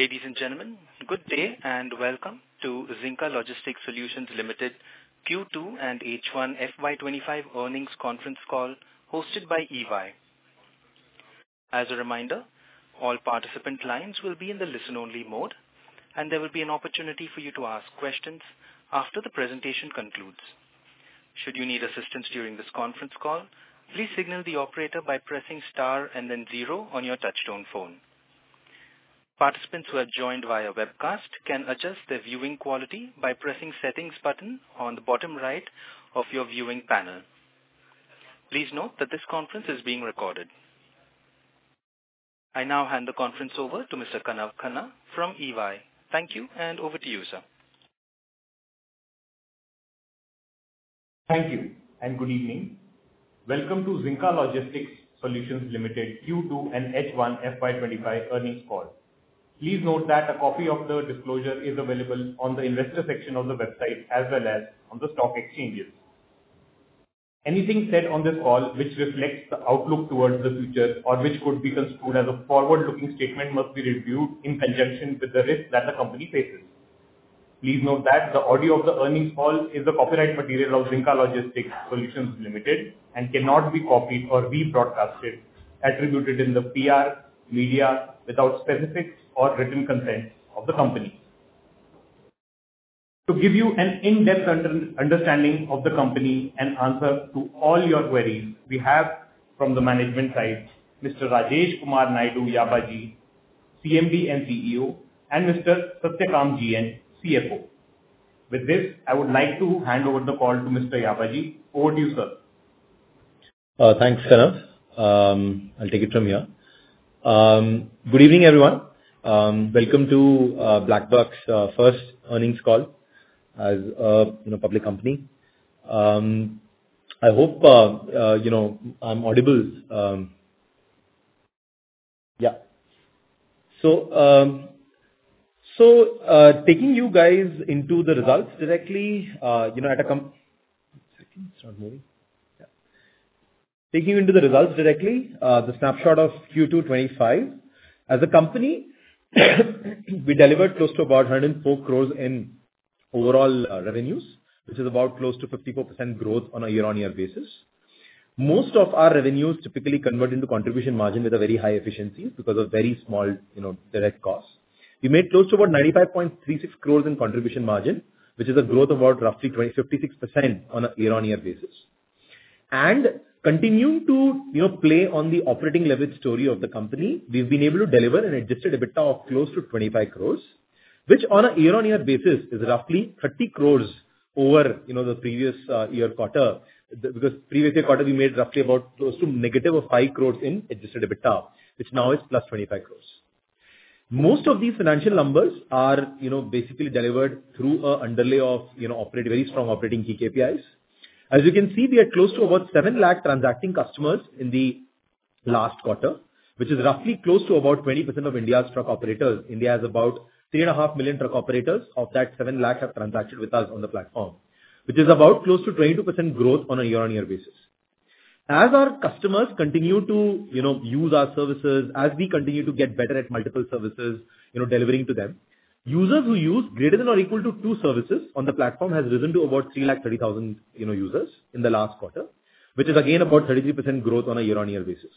Ladies and gentlemen, good day and welcome to Zinka Logistics Solutions Limited Q2 and H1 FY 2025 Earnings Conference Call hosted by EY. As a reminder, all participant lines will be in the listen-only mode, and there will be an opportunity for you to ask questions after the presentation concludes. Should you need assistance during this conference call, please signal the operator by pressing star and then zero on your touch-tone phone. Participants who have joined via webcast can adjust their viewing quality by pressing the settings button on the bottom right of your viewing panel. Please note that this conference is being recorded. I now hand the conference over to Mr. Kanav Khanna from EY. Thank you, and over to you, sir. Thank you, and good evening. Welcome to Zinka Logistics Solutions Limited Q2 and H1 FY 2025 Earnings Call. Please note that a copy of the disclosure is available on the investor section of the website as well as on the stock exchanges. Anything said on this call which reflects the outlook towards the future or which could be construed as a forward-looking statement must be reviewed in conjunction with the risk that the company faces. Please note that the audio of the earnings call is a copyright material of Zinka Logistics Solutions Limited and cannot be copied or rebroadcast or attributed in the PR media without specific or written consent of the company. To give you an in-depth understanding of the company and answer to all your queries, we have from the management side, Mr. Rajesh Kumar Naidu Yabaji, CMD and CEO, and Mr. Satyakam GN, CFO. With this, I would like to hand over the call to Mr. Yabaji. Over to you, sir. Thanks, Kanav. I'll take it from here. Good evening, everyone. Welcome to BlackBuck's first earnings call as a public company. I hope I'm audible. Yeah. Taking you into the results directly, the snapshot of Q2 2025. As a company, we delivered close to about 104 crores in overall revenues, which is about close to 54% growth on a year-on-year basis. Most of our revenues typically convert into contribution margin with a very high efficiency because of very small direct costs. We made close to about 95.36 crores in contribution margin, which is a growth of about roughly 56% on a year-on-year basis. Continuing to play on the operating leverage story of the company, we've been able to deliver an adjusted EBITDA of close to 25 crores, which on a year-on-year basis is roughly 30 crores over the previous year quarter. Because previous year quarter, we made roughly about close to negative of 5 crores in adjusted EBITDA, which now is +25 crores. Most of these financial numbers are basically delivered through an underlay of very strong operating key KPIs. As you can see, we had close to about 7 lakh transacting customers in the last quarter, which is roughly close to about 20% of India's truck operators. India has about 3.5 million truck operators. Of that, 7 lakh have transacted with us on the platform, which is about close to 22% growth on a year-on-year basis. As our customers continue to use our services, as we continue to get better at multiple services delivering to them, users who use greater than or equal to two services on the platform have risen to about 330,000 users in the last quarter, which is again about 33% growth on a year-on-year basis.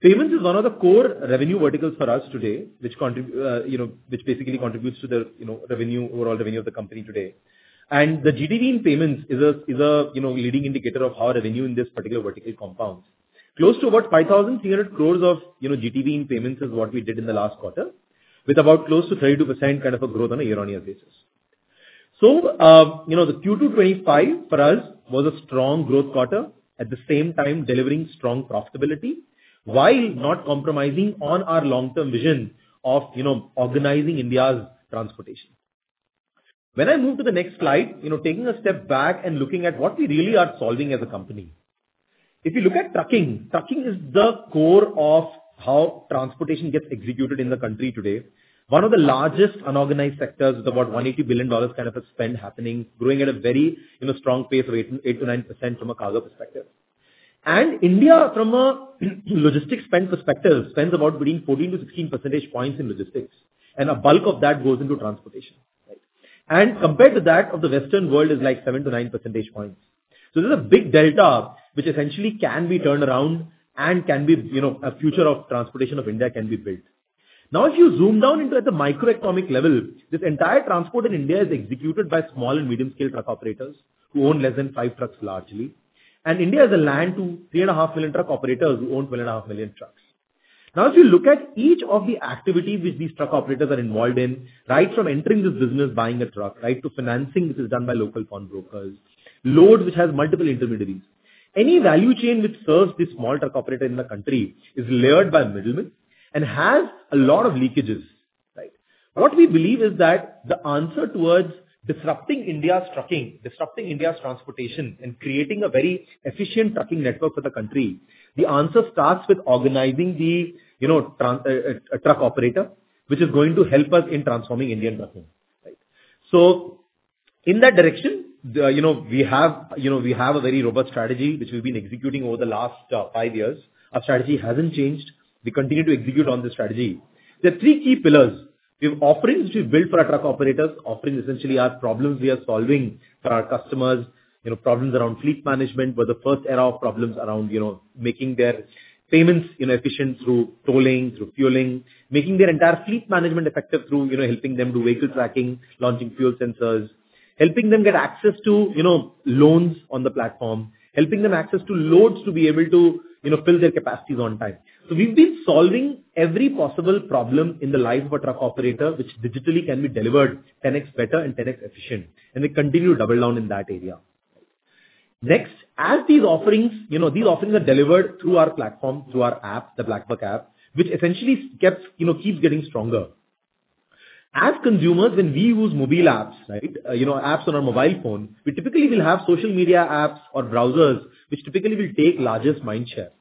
Payments is one of the core revenue verticals for us today, which basically contributes to the overall revenue of the company today. And the GTV in payments is a leading indicator of how revenue in this particular vertical compounds. Close to about 5,300 crores of GTV in payments is what we did in the last quarter, with about close to 32% kind of a growth on a year-on-year basis. So the Q2 2025 for us was a strong growth quarter, at the same time delivering strong profitability while not compromising on our long-term vision of organizing India's transportation. When I move to the next slide, taking a step back and looking at what we really are solving as a company. If you look at trucking, trucking is the core of how transportation gets executed in the country today. One of the largest unorganized sectors with about $180 billion kind of a spend happening, growing at a very strong pace of 8-9% from a cargo perspective. And India, from a logistics spend perspective, spends about between 14-16 percentage points in logistics, and a bulk of that goes into transportation. And compared to that, the Western world is like 7-9 percentage points. So, there's a big delta which essentially can be turned around and can be a future of transportation of India can be built. Now, if you zoom down into at the microeconomic level, this entire transport in India is executed by small and medium-scale truck operators who own less than five trucks largely. And India has around 3.5 million truck operators who own 12.5 million trucks. Now, if you look at each of the activities which these truck operators are involved in, right from entering this business, buying a truck, right to financing which is done by local pawn brokers, load which has multiple intermediaries, any value chain which serves this small truck operator in the country is layered by middlemen and has a lot of leakages. What we believe is that the answer towards disrupting India's trucking, disrupting India's transportation, and creating a very efficient trucking network for the country, the answer starts with organizing the truck operator, which is going to help us in transforming Indian trucking. So in that direction, we have a very robust strategy which we've been executing over the last five years. Our strategy hasn't changed. We continue to execute on this strategy. There are three key pillars. We have offerings which we build for our truck operators. Offerings essentially are problems we are solving for our customers, problems around fleet management, where the first era of problems around making their payments efficient through tolling, through fueling, making their entire fleet management effective through helping them do vehicle tracking, launching fuel sensors, helping them get access to loans on the platform, helping them access to loads to be able to fill their capacities on time. So we've been solving every possible problem in the life of a truck operator which digitally can be delivered 10x better and 10x efficient, and they continue to double down in that area. Next, as these offerings are delivered through our platform, through our app, the BlackBuck app, which essentially keeps getting stronger. As consumers, when we use mobile apps, apps on our mobile phone, we typically will have social media apps or browsers which typically will take largest mind share.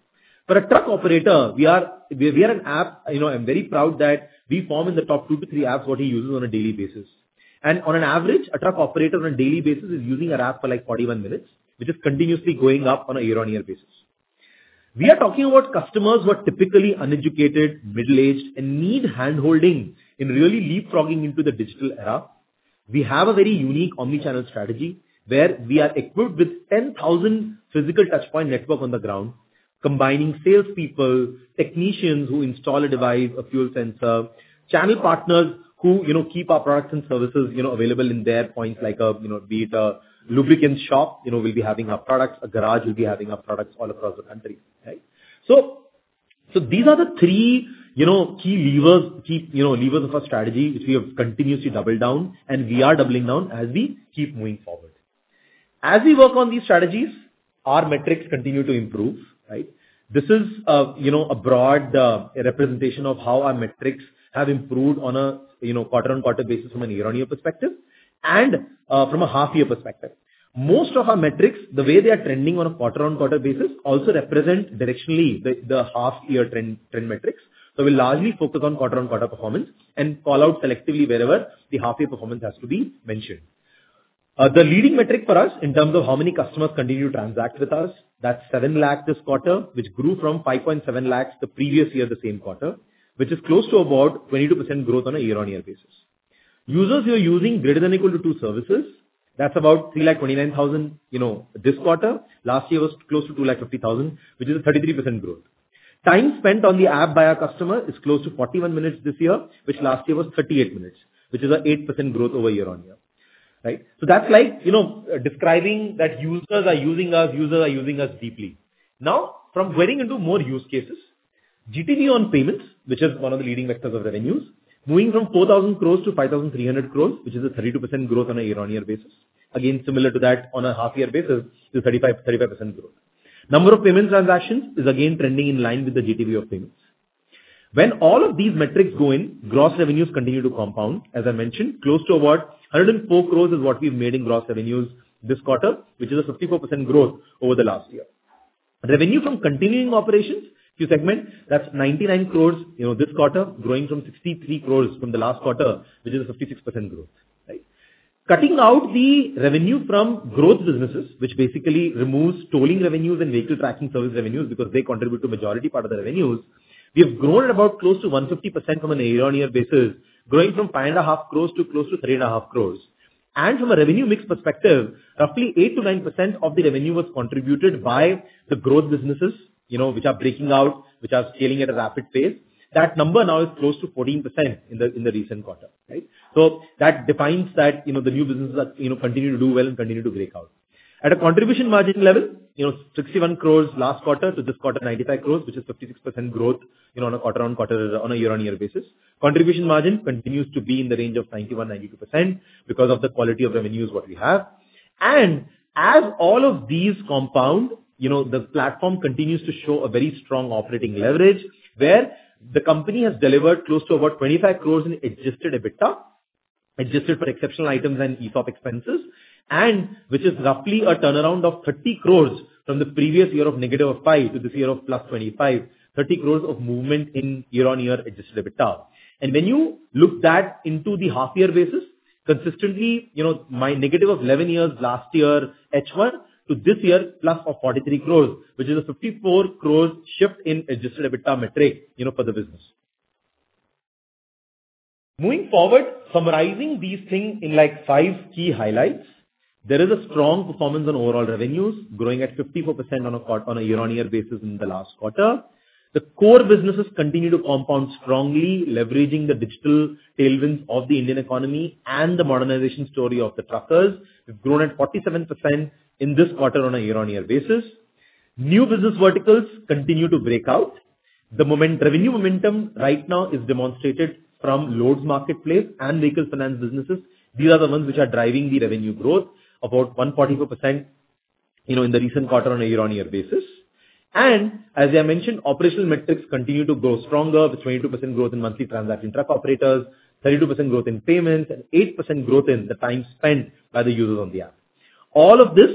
For a truck operator, we are an app. I'm very proud that we form in the top two to three apps what he uses on a daily basis. And on an average, a truck operator on a daily basis is using our app for like 41 minutes, which is continuously going up on a year-on-year basis. We are talking about customers who are typically uneducated, middle-aged, and need handholding in really leapfrogging into the digital era. We have a very unique omnichannel strategy where we are equipped with 10,000 physical touchpoint networks on the ground, combining salespeople, technicians who install a device, a fuel sensor, channel partners who keep our products and services available in their points, like be it a lubricant shop, we'll be having our products, a garage will be having our products all across the country. So these are the three key levers of our strategy which we have continuously doubled down, and we are doubling down as we keep moving forward. As we work on these strategies, our metrics continue to improve. This is a broad representation of how our metrics have improved on a quarter-on-quarter basis from a year-on-year perspective and from a half-year perspective. Most of our metrics, the way they are trending on a quarter-on-quarter basis, also represent directionally the half-year trend metrics. So we'll largely focus on quarter-on-quarter performance and call out selectively wherever the half-year performance has to be mentioned. The leading metric for us in terms of how many customers continue to transact with us, that's 7 lakh this quarter, which grew from 5.7 lakh the previous year the same quarter, which is close to about 22% growth on a year-on-year basis. Users who are using greater than or equal to two services, that's about 329,000 this quarter. Last year was close to 250,000, which is a 33% growth. Time spent on the app by our customer is close to 41 minutes this year, which last year was 38 minutes, which is an 8% growth over year-on-year. So that's like describing that users are using us, users are using us deeply. Now, from getting into more use cases, GTV on payments, which is one of the leading vectors of revenues, moving from 4,000 crores to 5,300 crores, which is a 32% growth on a year-on-year basis. Again, similar to that on a half-year basis is 35% growth. Number of payment transactions is again trending in line with the GTV of payments. When all of these metrics go in, gross revenues continue to compound. As I mentioned, close to about 104 crores is what we've made in gross revenues this quarter, which is a 54% growth over the last year. Revenue from continuing operations, if you segment, that's 99 crores this quarter, growing from 63 crores from the last quarter, which is a 56% growth. Cutting out the revenue from growth businesses, which basically removes tolling revenues and vehicle tracking service revenues because they contribute to the majority part of the revenues, we have grown at about close to 150% from a year-on-year basis, growing from 5.5 crores to close to 3.5 crores. And from a revenue mix perspective, roughly 8-9% of the revenue was contributed by the growth businesses, which are breaking out, which are scaling at a rapid pace. That number now is close to 14% in the recent quarter. That defines that the new businesses continue to do well and continue to break out. At a contribution margin level, 61 crores last quarter to this quarter, 95 crores, which is 56% growth on a quarter-on-quarter, on a year-on-year basis. Contribution margin continues to be in the range of 91-92% because of the quality of revenues what we have. And as all of these compound, the platform continues to show a very strong operating leverage where the company has delivered close to about 25 crores in adjusted EBITDA, adjusted for exceptional items and ESOP expenses, which is roughly a turnaround of 30 crores from the previous year of negative of 5 to this year of +25, 30 crores of movement in year-on-year adjusted EBITDA. When you look that into the half-year basis, consistently negative of 11 years last year, H1 to this year, plus of 43 crores, which is a 54-crore shift in Adjusted EBITDA metric for the business. Moving forward, summarizing these things in like five key highlights, there is a strong performance on overall revenues, growing at 54% on a year-on-year basis in the last quarter. The core businesses continue to compound strongly, leveraging the digital tailwinds of the Indian economy and the modernization story of the truckers. We've grown at 47% in this quarter on a year-on-year basis. New business verticals continue to break out. The revenue momentum right now is demonstrated from loads marketplace and vehicle finance businesses. These are the ones which are driving the revenue growth, about 144% in the recent quarter on a year-on-year basis. As I mentioned, operational metrics continue to grow stronger with 22% growth in monthly transacting truck operators, 32% growth in payments, and 8% growth in the time spent by the users on the app. All of this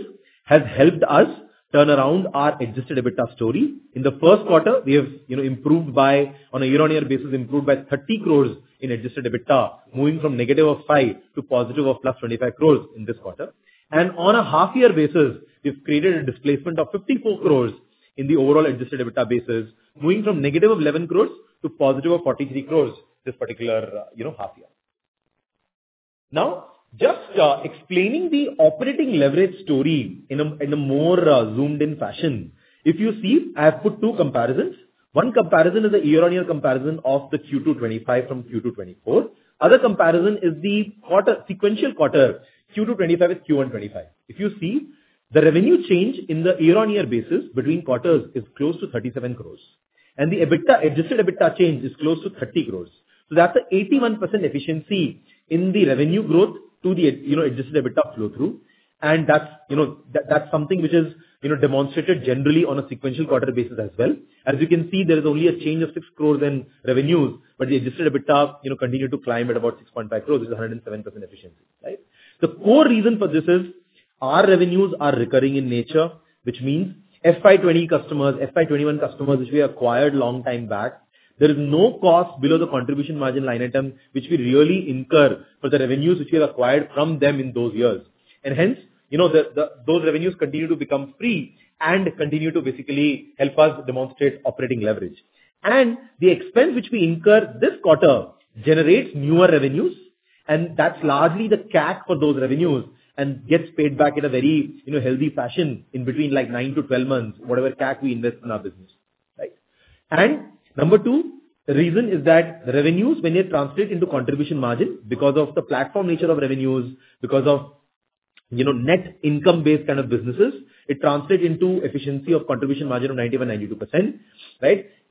has helped us turn around our adjusted EBITDA story. In the first quarter, we have improved by, on a year-on-year basis, improved by 30 crores in adjusted EBITDA, moving from negative of 5 to positive of +25 crores in this quarter. And on a half-year basis, we've created a displacement of 54 crores in the overall adjusted EBITDA basis, moving from negative of 11 crores to positive of 43 crores this particular half-year. Now, just explaining the operating leverage story in a more zoomed-in fashion, if you see, I have put two comparisons. One comparison is a year-on-year comparison of the Q2 2025 from Q2 2024. Other comparison is the sequential quarter, Q2 2025 with Q1 2025. If you see, the revenue change in the year-on-year basis between quarters is close to 37 crores, and the Adjusted EBITDA change is close to 30 crores. So that's an 81% efficiency in the revenue growth to the Adjusted EBITDA flow-through. And that's something which is demonstrated generally on a sequential quarter basis as well. As you can see, there is only a change of 6 crores in revenues, but the Adjusted EBITDA continued to climb at about 6.5 crores, which is 107% efficiency. The core reason for this is our revenues are recurring in nature, which means FY 2020 customers, FY 2021 customers, which we acquired a long time back, there is no cost below the contribution margin line item which we really incur for the revenues which we have acquired from them in those years. And hence, those revenues continue to become free and continue to basically help us demonstrate operating leverage. And the expense which we incur this quarter generates newer revenues, and that's largely the CAC for those revenues and gets paid back in a very healthy fashion in between like 9-12 months, whatever CAC we invest in our business. And number two, the reason is that the revenues, when they're translated into contribution margin, because of the platform nature of revenues, because of net income-based kind of businesses, it translates into efficiency of contribution margin of 91%-92%.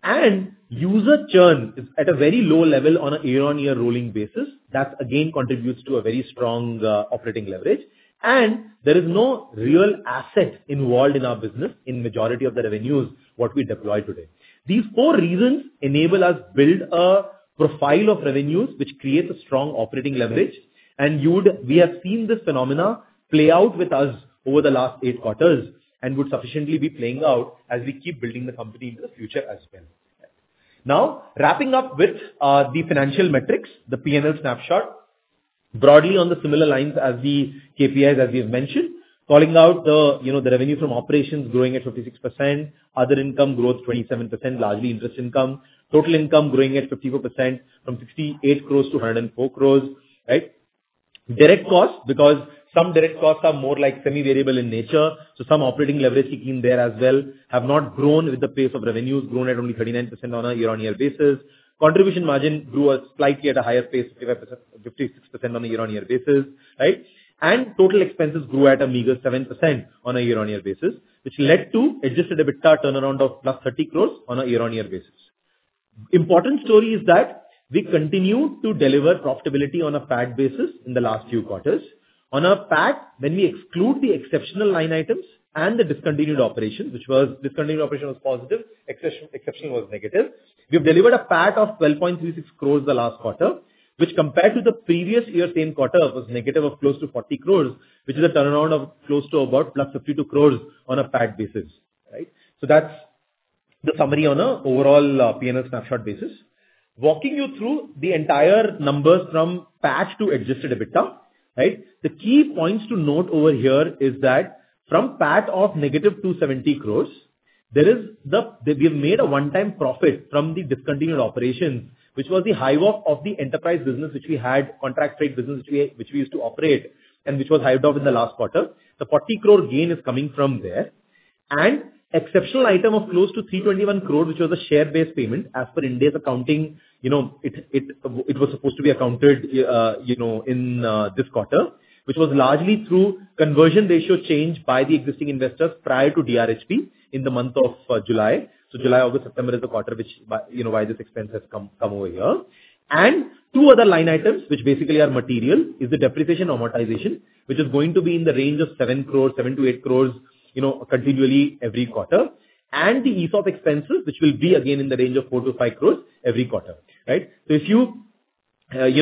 And user churn is at a very low level on a year-on-year rolling basis. That again contributes to a very strong operating leverage. And there is no real asset involved in our business in majority of the revenues what we deploy today. These four reasons enable us to build a profile of revenues which creates a strong operating leverage, and we have seen this phenomenon play out with us over the last eight quarters and would sufficiently be playing out as we keep building the company into the future as well. Now, wrapping up with the financial metrics, the P&L snapshot, broadly on the similar lines as the KPIs as we have mentioned, calling out the revenue from operations growing at 56%, other income growth 27%, largely interest income, total income growing at 54% from 68 crores to 104 crores. Direct costs, because some direct costs are more like semi-variable in nature, so some operating leverage seeking there as well have not grown with the pace of revenues, grown at only 39% on a year-on-year basis. Contribution margin grew slightly at a higher pace, 56% on a year-on-year basis. Total expenses grew at a meager 7% on a year-on-year basis, which led to Adjusted EBITDA turnaround of +30 crores on a year-on-year basis. The important story is that we continue to deliver profitability on a PAT basis in the last few quarters. On a PAT, when we exclude the exceptional line items and the discontinued operation, which was discontinued operation was positive, exception was negative, we have delivered a PAT of 12.36 crores the last quarter, which compared to the previous year same quarter was negative of close to 40 crores, which is a turnaround of close to about +52 crores on a PAT basis. That's the summary on an overall P&L snapshot basis. Walking you through the entire numbers from PAT to adjusted EBITDA, the key points to note over here is that from PAT of negative 270 crores, we have made a one-time profit from the discontinued operations, which was the hive-off of the enterprise business which we had, contract trade business which we used to operate, and which was hived off in the last quarter. The 40-crore gain is coming from there. And exceptional item of close to 321 crores, which was a share-based payment as per India's accounting, it was supposed to be accounted in this quarter, which was largely through conversion ratio change by the existing investors prior to DRHP in the month of July. So July, August, September is the quarter by which this expense has come over here. Two other line items which basically are material is the depreciation amortization, which is going to be in the range of 7 crores, 7-8 crores continually every quarter. The ESOP expenses, which will be again in the range of 4-5 crores every quarter. So if you less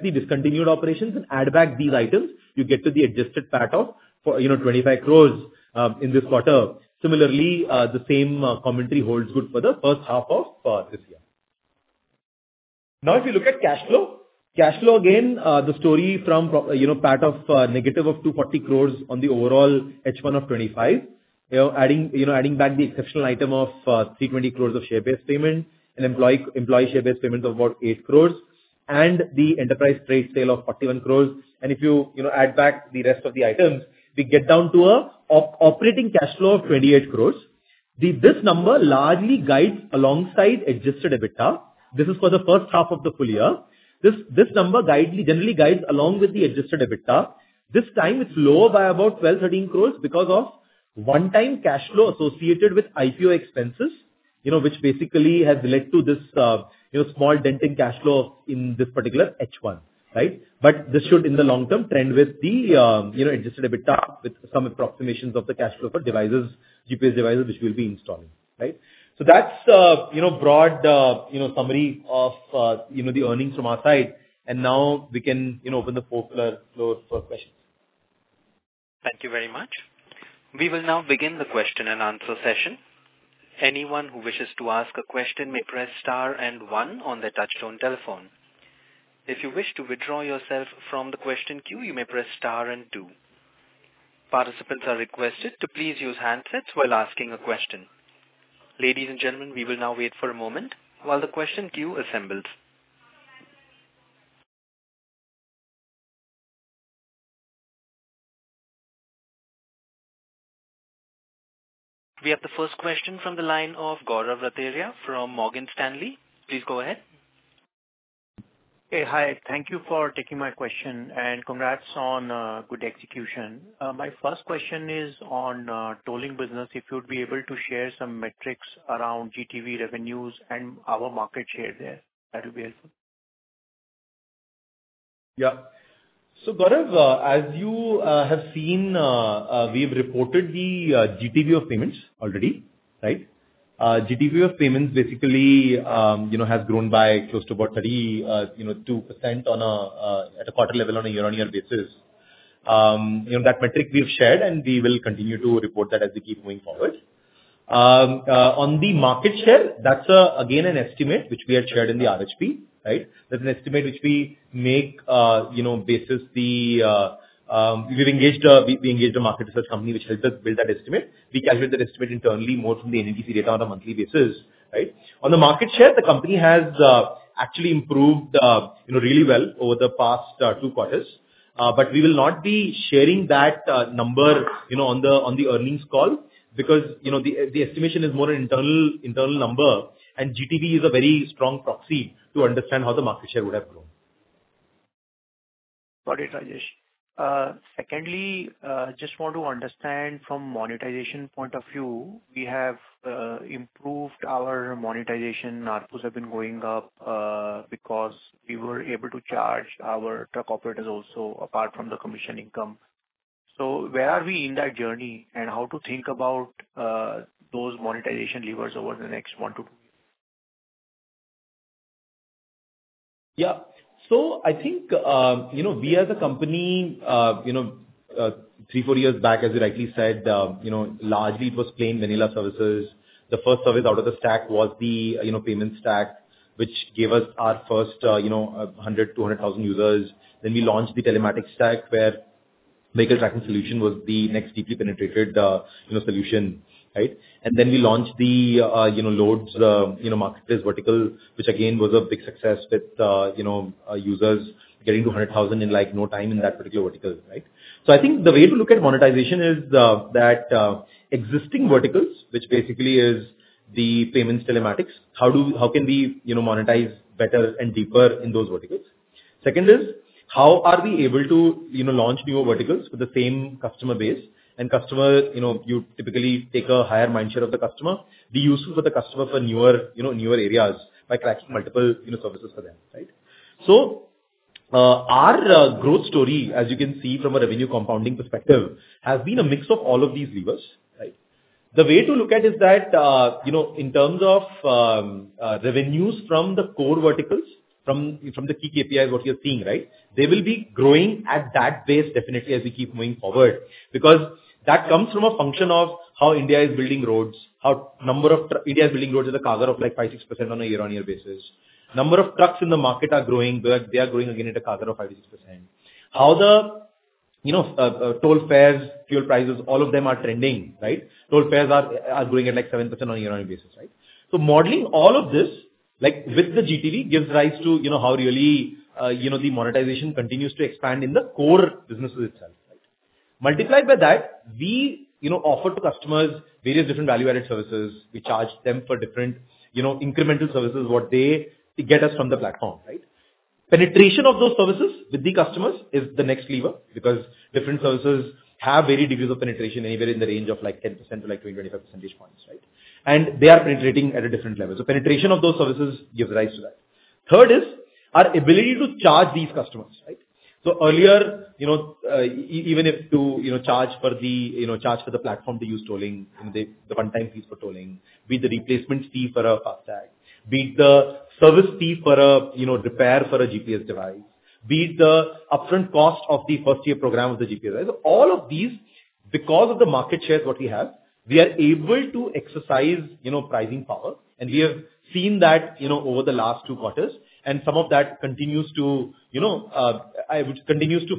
the discontinued operations and add back these items, you get to the adjusted PAT of 25 crores in this quarter. Similarly, the same commentary holds good for the first half of this year. Now, if you look at cash flow, cash flow again, the story from PAT of -240 crores on the overall H1 of 2025, adding back the exceptional item of 320 crores of share-based payment, and employee share-based payments of about 8 crores, and the enterprise trade sale of 41 crores. If you add back the rest of the items, we get down to an operating cash flow of 28 crores. This number largely guides alongside Adjusted EBITDA. This is for the first half of the full year. This number generally guides along with the Adjusted EBITDA. This time, it's lower by about 12-13 crores because of one-time cash flow associated with IPO expenses, which basically has led to this small dent in cash flow in this particular H1. This should, in the long term, trend with the Adjusted EBITDA with some approximations of the cash flow for GPS devices which we'll be installing. That's a broad summary of the earnings from our side. Now we can open the floor for questions. Thank you very much. We will now begin the question and answer session. Anyone who wishes to ask a question may press star and one on their touch-tone telephone. If you wish to withdraw yourself from the question queue, you may press star and two. Participants are requested to please use handsets while asking a question. Ladies and gentlemen, we will now wait for a moment while the question queue assembles. We have the first question from the line of Gaurav Rateria from Morgan Stanley. Please go ahead. Hey, hi. Thank you for taking my question and congrats on good execution. My first question is on tolling business. If you'd be able to share some metrics around GTV revenues and our market share there, that would be helpful. Yeah. So Gaurav, as you have seen, we've reported the GTV of payments already. GTV of payments basically has grown by close to about 32% at a quarter level on a year-on-year basis. That metric we've shared and we will continue to report that as we keep moving forward. On the market share, that's again an estimate which we had shared in the RHP. That's an estimate which we make basis that we engaged a market research company which helped us build that estimate. We calculate that estimate internally more from the NETC data on a monthly basis. On the market share, the company has actually improved really well over the past two quarters. But we will not be sharing that number on the earnings call because the estimation is more an internal number and GTV is a very strong proxy to understand how the market share would have grown. Got it, Rajesh. Secondly, I just want to understand from monetization point of view, we have improved our monetization. Our pools have been going up because we were able to charge our truck operators also apart from the commission income. So where are we in that journey and how to think about those monetization levers over the next one to two years? Yeah. So I think we as a company, three, four years back, as you rightly said, largely it was plain vanilla services. The first service out of the stack was the payment stack, which gave us our first 100-200,000 users. Then we launched the telematics stack where vehicle tracking solution was the next deeply penetrated solution. And then we launched the loads marketplace vertical, which again was a big success with users getting to 100,000 in no time in that particular vertical. So I think the way to look at monetization is that existing verticals, which basically is the payments telematics, how can we monetize better and deeper in those verticals? Second is, how are we able to launch new verticals with the same customer base? And customer, you typically take a higher mind share of the customer. Be useful for the customer for newer areas by cracking multiple services for them. So our growth story, as you can see from a revenue compounding perspective, has been a mix of all of these levers. The way to look at is that in terms of revenues from the core verticals, from the key KPIs what you're seeing, they will be growing at that base definitely as we keep moving forward. Because that comes from a function of how India is building roads, how the number of roads in India is growing at a CAGR of like 5-6% on a year-on-year basis. Number of trucks in the market are growing. They are growing again at a CAGR of 5-6%. How the toll fares, fuel prices, all of them are trending. Toll fares are growing at like 7% on a year-on-year basis. So modeling all of this with the GTV gives rise to how really the monetization continues to expand in the core businesses itself. Multiplied by that, we offer to customers various different value-added services. We charge them for different incremental services what they get us from the platform. Penetration of those services with the customers is the next lever because different services have varying degrees of penetration anywhere in the range of like 10% to like 20-25 percentage points. They are penetrating at a different level. Penetration of those services gives rise to that. Third is our ability to charge these customers. Earlier, even if to charge for the platform to use tolling, the one-time fees for tolling, be it the replacement fee for a FASTag, be it the service fee for a repair for a GPS device, be it the upfront cost of the first-year program of the GPS device. All of these, because of the market shares that we have, we are able to exercise pricing power. We have seen that over the last two quarters. Some of that continues to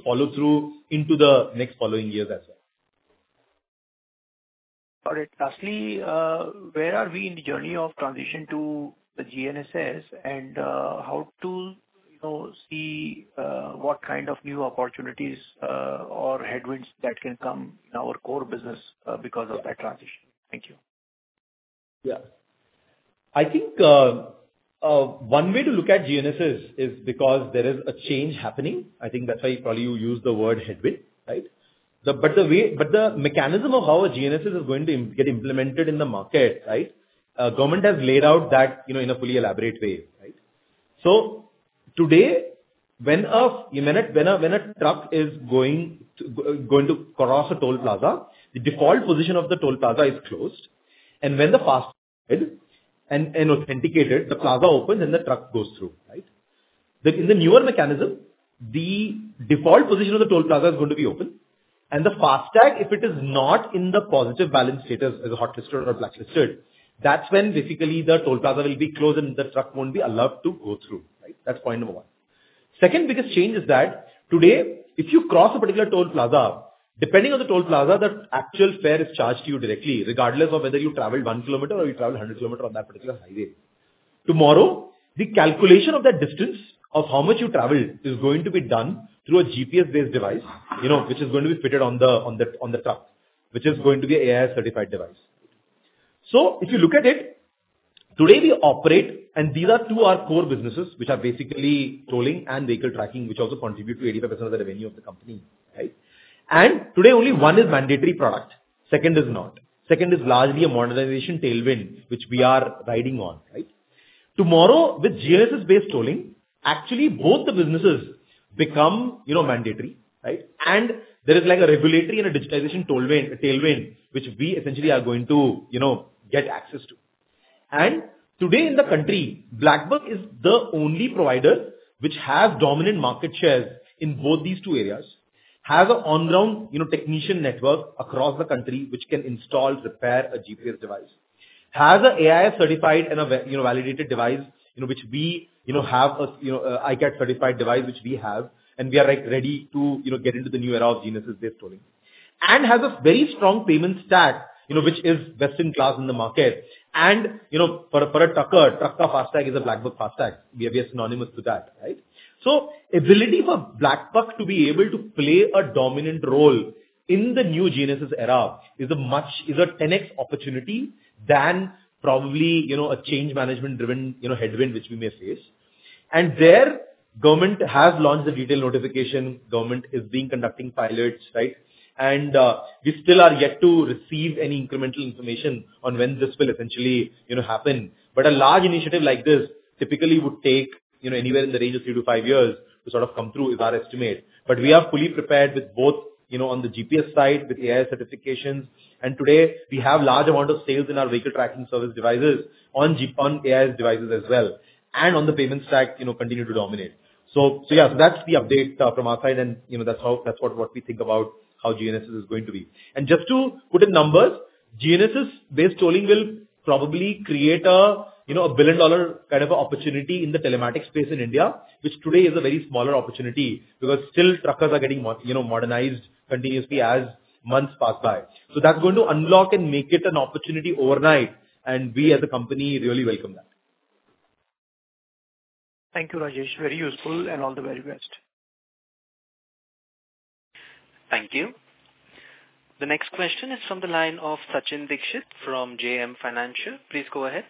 follow through into the next following years as well. Got it. Lastly, where are we in the journey of transition to the GNSS and how to see what kind of new opportunities or headwinds that can come in our core business because of that transition? Thank you. Yeah. I think one way to look at GNSS is because there is a change happening. I think that's why probably you use the word headwind. But the mechanism of how a GNSS is going to get implemented in the market, government has laid out that in a fully elaborate way. So today, when a truck is going to cross a toll plaza, the default position of the toll plaza is closed. And when the FASTag is authenticated, the plaza opens and the truck goes through. In the newer mechanism, the default position of the toll plaza is going to be open. The FASTag, if it is not in the positive balance status as a hotlisted or blacklisted, that's when basically the toll plaza will be closed and the truck won't be allowed to go through. That's point number one. Second biggest change is that today, if you cross a particular toll plaza, depending on the toll plaza, the actual fare is charged to you directly, regardless of whether you traveled one kilometer or you traveled 100 km on that particular highway. Tomorrow, the calculation of that distance of how much you traveled is going to be done through a GPS-based device, which is going to be fitted on the truck, which is going to be an ICAT certified device. So if you look at it, today we operate, and these are two of our core businesses, which are basically tolling and vehicle tracking, which also contribute to 85% of the revenue of the company. And today, only one is mandatory product. Second is not. Second is largely a modernization tailwind, which we are riding on. Tomorrow, with GNSS-based tolling, actually both the businesses become mandatory. And there is like a regulatory and a digitization tailwind, which we essentially are going to get access to. Today in the country, BlackBuck is the only provider which has dominant market shares in both these two areas, has an on-ground technician network across the country which can install, repair a GPS device, has an AI certified and a validated device, which we have an iCAT certified device, and we are ready to get into the new era of GNSS-based tolling. It has a very strong payment stack, which is best in class in the market. For a trucker, truck FASTag is a BlackBuck FASTag. We have been synonymous with that. The ability for BlackBuck to be able to play a dominant role in the new GNSS era is a 10x opportunity than probably a change management-driven headwind which we may face. There, government has launched the detailed notification. Government is conducting pilots. We still are yet to receive any incremental information on when this will essentially happen. A large initiative like this typically would take anywhere in the range of three to five years to sort of come through, is our estimate. We are fully prepared with both on the GPS side with AI certifications. Today, we have a large amount of sales in our vehicle tracking service devices on AI devices as well. On the payment stack, continue to dominate. Yeah, so that's the update from our side. That's what we think about how GNSS is going to be. Just to put in numbers, GNSS-based tolling will probably create a billion-dollar kind of opportunity in the telematics space in India, which today is a very smaller opportunity because still truckers are getting modernized continuously as months pass by. So that's going to unlock and make it an opportunity overnight. And we as a company really welcome that. Thank you, Rajesh. Very useful and all the very best. Thank you. The next question is from the line of Sachin Dixit from JM Financial. Please go ahead.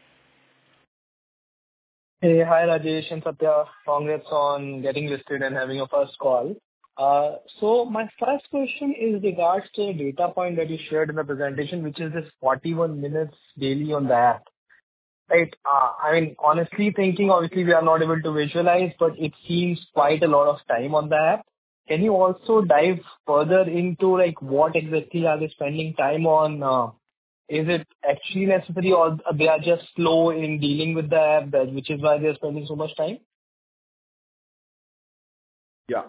Hey, hi Rajesh and Satya. Congrats on getting listed and having your first call. So my first question is regards to the data point that you shared in the presentation, which is this 41 minutes daily on the app. I mean, honestly thinking, obviously we are not able to visualize, but it seems quite a lot of time on the app. Can you also dive further into what exactly are they spending time on? Is it actually necessary or they are just slow in dealing with the app, which is why they're spending so much time? Yeah.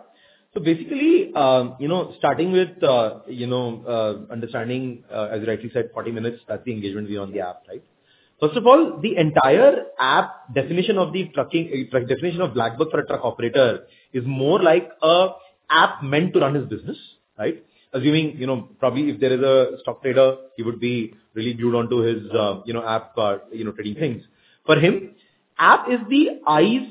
So basically, starting with understanding, as you rightly said, 40 minutes, that's the engagement we are on the app. First of all, the entire app definition of BlackBuck for a truck operator is more like an app meant to run his business. Assuming probably if there is a stock trader, he would be really glued onto his app for trading things. For him, app is the eyes,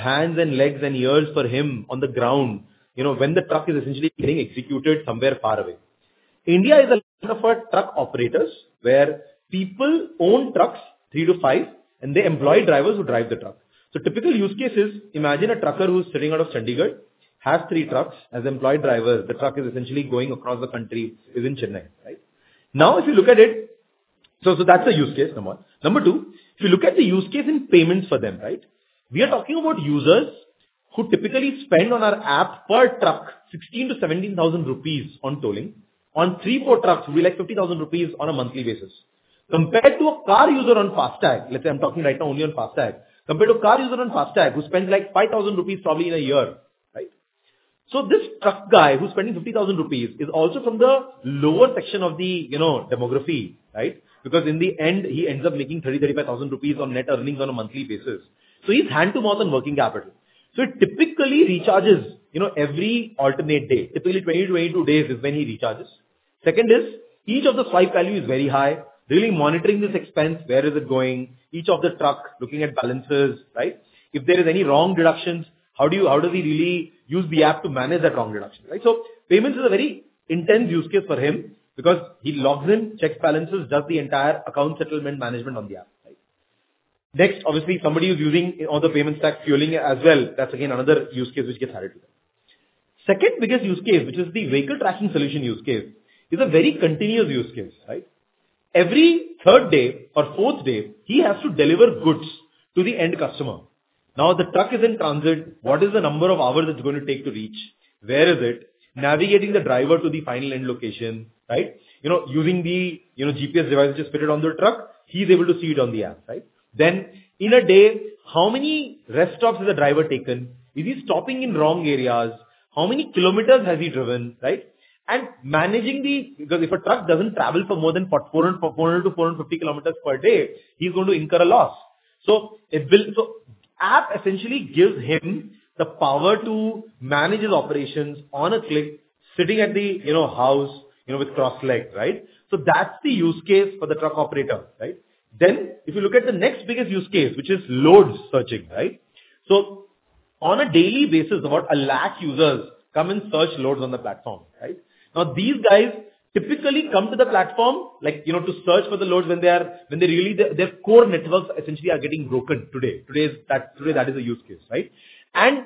hands, and legs, and ears for him on the ground when the truck is essentially getting executed somewhere far away. India is a land of truck operators where people own trucks three to five, and they employ drivers who drive the truck. So typical use cases, imagine a trucker who's sitting out of Chandigarh has three trucks as employed drivers. The truck is essentially going across the country. It is in Chennai. Now, if you look at it, so that's a use case. Number two, if you look at the use case in payments for them, we are talking about users who typically spend on our app per truck 16,000-17,000 rupees on tolling. On three more trucks would be like 50,000 rupees on a monthly basis. Compared to a car user on FASTag, let's say I'm talking right now only on FASTag, compared to a car user on FASTag who spends like 5,000 rupees probably in a year. So this truck guy who's spending 50,000 rupees is also from the lower section of the demography. Because in the end, he ends up making 30,000-35,000 rupees on net earnings on a monthly basis. So he's hand to mouth and working capital. So he typically recharges every alternate day. Typically, 20-22 days is when he recharges. Second is, each of the swipe value is very high. Really monitoring this expense, where is it going? Each of the trucks looking at balances. If there are any wrong deductions, how does he really use the app to manage that wrong deduction, so payments is a very intense use case for him because he logs in, checks balances, does the entire account settlement management on the app. Next, obviously, somebody who's using all the payments, tax, fueling as well. That's again another use case which gets added to that. Second biggest use case, which is the vehicle tracking solution use case, is a very continuous use case. Every third day or fourth day, he has to deliver goods to the end customer. Now, the truck is in transit. What is the number of hours it's going to take to reach? Where is it? Navigating the driver to the final end location. Using the GPS device which is fitted on the truck, he's able to see it on the app. Then, in a day, how many rest stops has the driver taken? Is he stopping in wrong areas? How many kilometers has he driven? And managing the because if a truck doesn't travel for more than 400-450 km per day, he's going to incur a loss. So app essentially gives him the power to manage his operations on a click, sitting at the house with crossed legs. So that's the use case for the truck operator. Then, if you look at the next biggest use case, which is loads searching. So on a daily basis, about a lakh users come and search loads on the platform. Now, these guys typically come to the platform to search for the loads when their core networks essentially are getting broken today. Today, that is a use case. And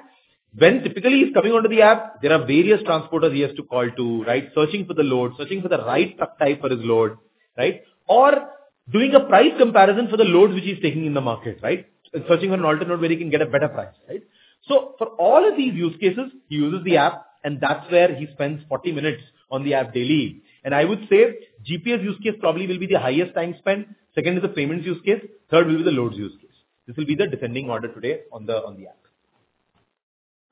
when typically he's coming onto the app, there are various transporters he has to call to, searching for the load, searching for the right truck type for his load, or doing a price comparison for the loads which he's taking in the market, searching for an alternate way he can get a better price. So for all of these use cases, he uses the app, and that's where he spends 40 minutes on the app daily. And I would say GPS use case probably will be the highest time spent. Second is the payments use case. Third will be the loads use case. This will be the descending order today on the app.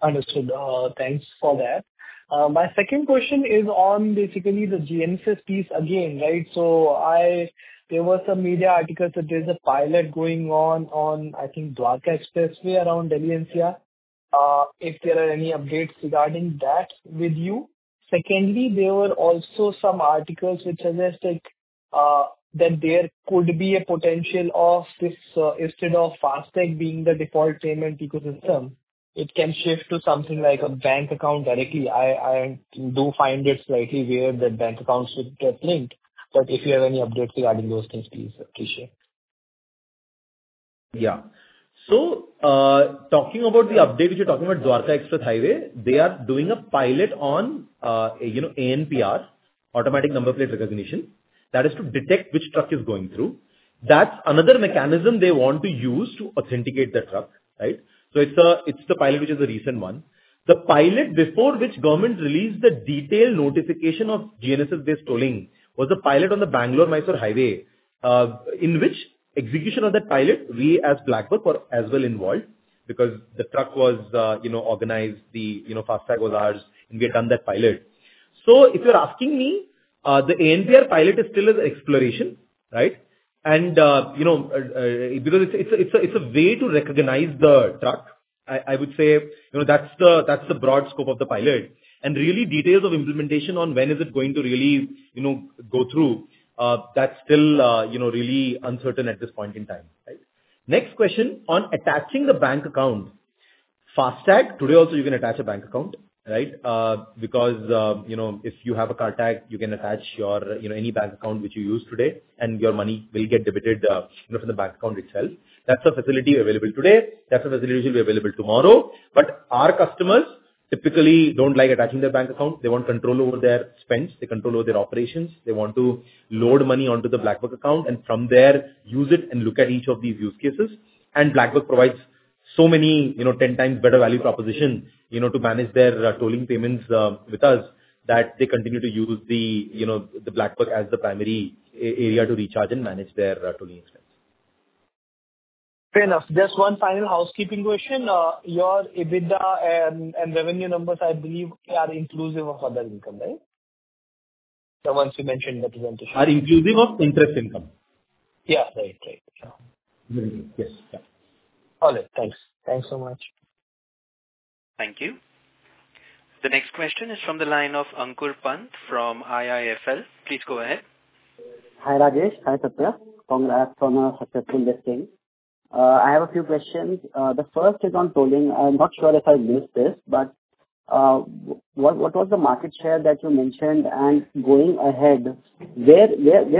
Understood. Thanks for that. My second question is on basically the GNSS piece again. So there were some media articles that there's a pilot going on, I think, Dwarka Expressway around Delhi NCR. If there are any updates regarding that with you. Secondly, there were also some articles which suggest that there could be a potential of this, instead of FASTag being the default payment ecosystem, it can shift to something like a bank account directly. I do find it slightly weird that bank accounts should get linked. But if you have any updates regarding those things, please appreciate. Yeah. So talking about the update which you're talking about, Dwarka Expressway, they are doing a pilot on ANPR, Automatic Number Plate Recognition. That is to detect which truck is going through. That's another mechanism they want to use to authenticate the truck. So it's the pilot which is a recent one. The pilot before which the government released the detailed notification of GNSS-based tolling was a pilot on the Bangalore-Mysore Highway, in which execution of that pilot, we as BlackBuck were as well involved because the truck was organized, the FASTag was ours, and we had done that pilot. So if you're asking me, the ANPR pilot is still an exploration. And because it's a way to recognize the truck, I would say that's the broad scope of the pilot. And really, details of implementation on when is it going to really go through, that's still really uncertain at this point in time. Next question on attaching the bank account. FASTag, today also you can attach a bank account. Because if you have a car tag, you can attach any bank account which you use today, and your money will get debited from the bank account itself. That's a facility available today. That's a facility which will be available tomorrow, but our customers typically don't like attaching their bank account. They want control over their spends. They control over their operations. They want to load money onto the BlackBuck account and from there use it and look at each of these use cases, and BlackBuck provides so many 10 times better value propositions to manage their tolling payments with us that they continue to use the BlackBuck as the primary area to recharge and manage their tolling expense. Fair enough. Just one final housekeeping question. Your EBITDA and revenue numbers, I believe, are inclusive of other income, right? The ones you mentioned in the presentation. Are inclusive of interest income? Yeah. Right. Right. Yes. All right. Thanks. Thanks so much. Thank you. The next question is from the line of Ankur Pant from IIFL. Please go ahead. Hi Rajesh. Hi Satya. Congrats on a successful listing. I have a few questions. The first is on tolling. I'm not sure if I missed this, but what was the market share that you mentioned? And going ahead, where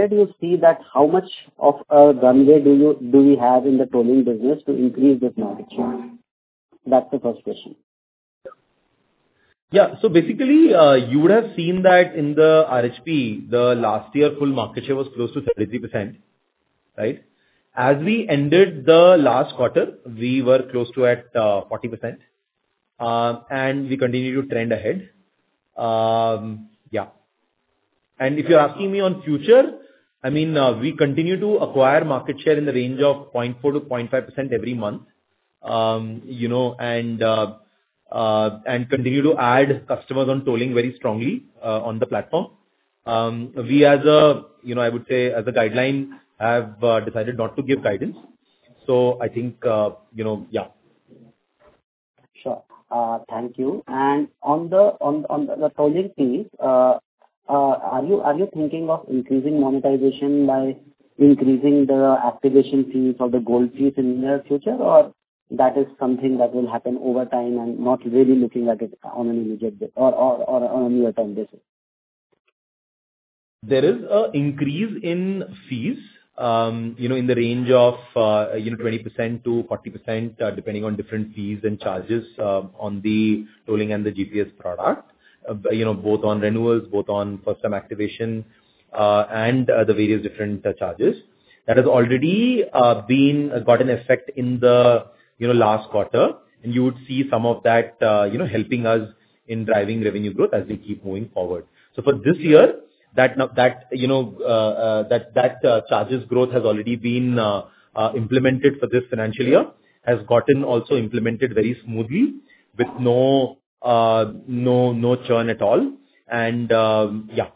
do you see that, how much of a runway do we have in the tolling business to increase this market share? That's the first question. Yeah. So basically, you would have seen that in the RHP, the last year full market share was close to 33%. As we ended the last quarter, we were close to at 40%. And we continue to trend ahead. Yeah. And if you're asking me on future, I mean, we continue to acquire market share in the range of 0.4%-0.5% every month and continue to add customers on tolling very strongly on the platform. We, as a, I would say, as a guideline, have decided not to give guidance. So I think, yeah. Sure. Thank you. And on the tolling piece, are you thinking of increasing monetization by increasing the activation fees or the gold fees in the near future, or that is something that will happen over time and not really looking at it on an immediate or on a near-term basis? There is an increase in fees in the range of 20%-40%, depending on different fees and charges on the tolling and the GPS product, both on renewals, both on first-time activation, and the various different charges. That has already gotten effect in the last quarter. And you would see some of that helping us in driving revenue growth as we keep moving forward. So for this year, that charges growth has already been implemented for this financial year, has gotten also implemented very smoothly with no churn at all. And yeah.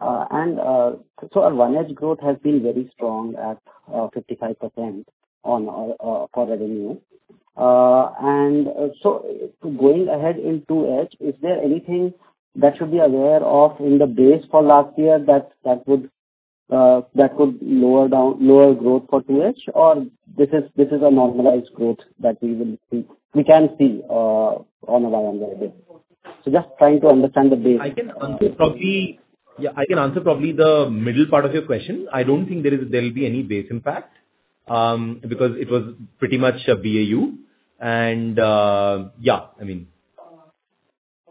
And so ongoing growth has been very strong at 55% for revenue. And so going ahead into H2, is there anything that should be aware of in the base for last year that could lower growth for 2H, or this is a normalized growth that we can see on a longer term? So just trying to understand the base. Yeah. I can answer probably the middle part of your question. I don't think there will be any base impact because it was pretty much a BAU. And yeah, I mean,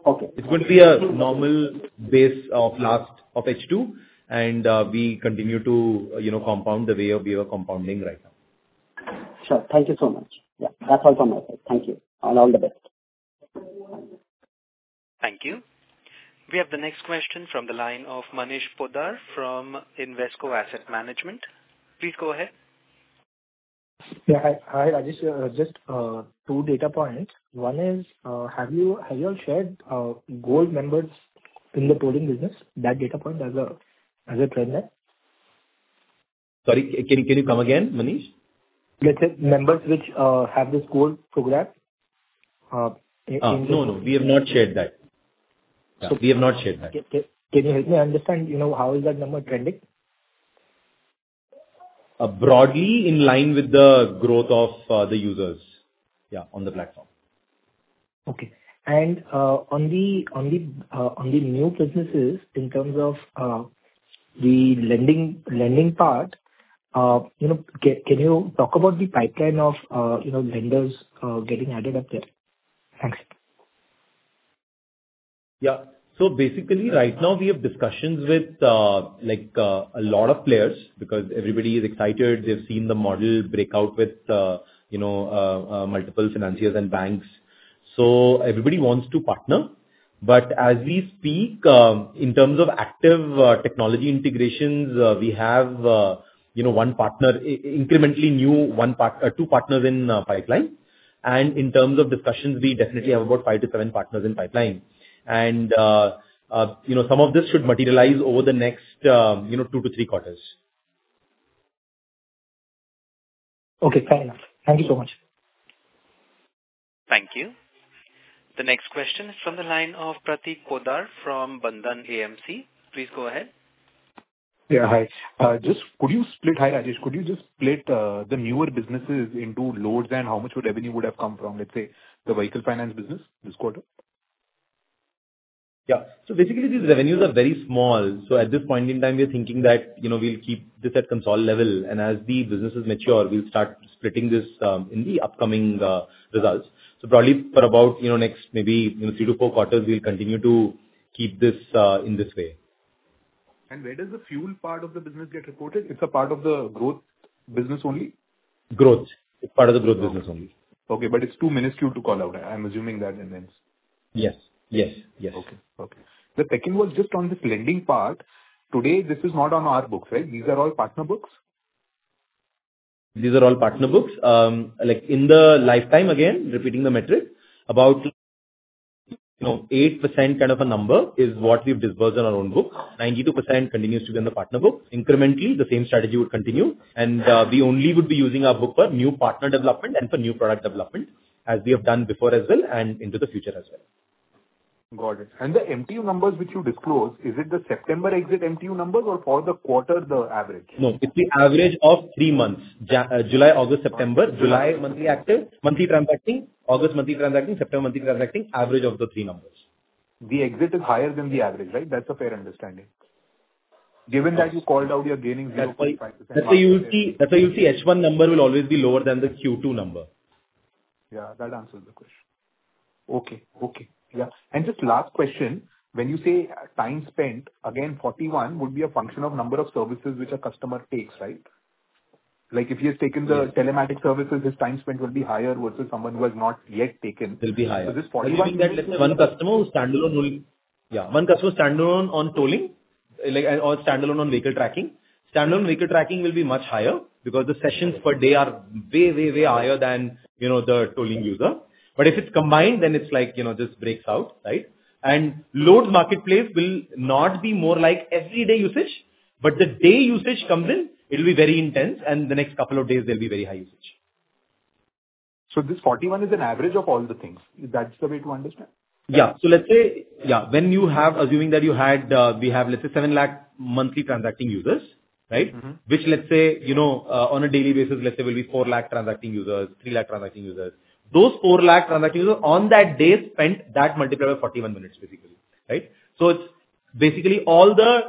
it's going to be a normal base of H2, and we continue to compound the way we are compounding right now. Sure. Thank you so much. Yeah. That's all from my side. Thank you. And all the best. Thank you. We have the next question from the line of Manish Poddar from Invesco Asset Management. Please go ahead. Yeah. Hi, Rajesh. Just two data points. One is, have you all shared gold members in the tolling business? That data point as a trend there? Sorry. Can you come again, Manish? Members which have this gold program? No, no. We have not shared that. We have not shared that. Can you help me understand how is that number trending? Broadly in line with the growth of the users, yeah, on the platform. Okay. And on the new businesses, in terms of the lending part, can you talk about the pipeline of lenders getting added up there? Thanks. Yeah. So basically, right now, we have discussions with a lot of players because everybody is excited. They've seen the model break out with multiple financiers and banks. So everybody wants to partner. But as we speak, in terms of active technology integrations, we have one partner, incrementally new two partners in pipeline. And in terms of discussions, we definitely have about five to seven partners in pipeline. And some of this should materialize over the next two to three quarters. Okay. Fair enough. Thank you so much. Thank you. The next question is from the line of Prateek Poddar from Bandhan AMC. Please go ahead. Yeah. Hi. Just could you split? Hi, Rajesh. Could you just split the newer businesses into loads and how much revenue would have come from, let's say, the vehicle finance business this quarter? Yeah. So basically, these revenues are very small. So at this point in time, we're thinking that we'll keep this at console level. As the businesses mature, we'll start splitting this in the upcoming results. So probably for about next maybe three to four quarters, we'll continue to keep this in this way. And where does the fuel part of the business get reported? It's a part of the growth business only? Growth. It's part of the growth business only. Okay. But it's too minuscule to call out. I'm assuming that, and then. Yes. Yes. Yes. Okay. Okay. The second was just on this lending part. Today, this is not on our books, right? These are all partner books? These are all partner books. In the lifetime, again, repeating the metric, about 8% kind of a number is what we've disbursed on our own book. 92% continues to be on the partner book. Incrementally, the same strategy would continue. We only would be using our book for new partner development and for new product development, as we have done before as well and into the future as well. Got it. And the MTU numbers which you disclose, is it the September exit MTU numbers or for the quarter, the average? No. It's the average of three months: July, August, September. July monthly transacting, August monthly transacting, September monthly transacting, average of the three numbers. The exit is higher than the average, right? That's a fair understanding. Given that you called out your gaining 0.5%. That's why you'll see H1 number will always be lower than the Q2 number. Yeah. That answers the question. Okay. Okay. Yeah. And just last question. When you say time spent, again, 41 would be a function of number of services which a customer takes, right? If he has taken the telematics services, his time spent will be higher versus someone who has not yet taken. Will be higher. So this 41. I think that one customer who standalone will yeah. One customer standalone on tolling or standalone on vehicle tracking. Standalone vehicle tracking will be much higher because the sessions per day are way, way, way higher than the tolling user. But if it's combined, then it's like this breaks out, right? And loads marketplace will not be more like everyday usage. But the day usage comes in, it will be very intense, and the next couple of days, there'll be very high usage. So this 41 is an average of all the things. That's the way to understand? Yeah. So let's say, yeah, when you have assuming that you had, we have, let's say, seven lakh monthly transacting users, right? Which, let's say, on a daily basis, let's say, will be four lakh transacting users, three lakh transacting users. Those four lakh transacting users on that day spent that multiplier of 41 minutes, basically, right? So it's basically all the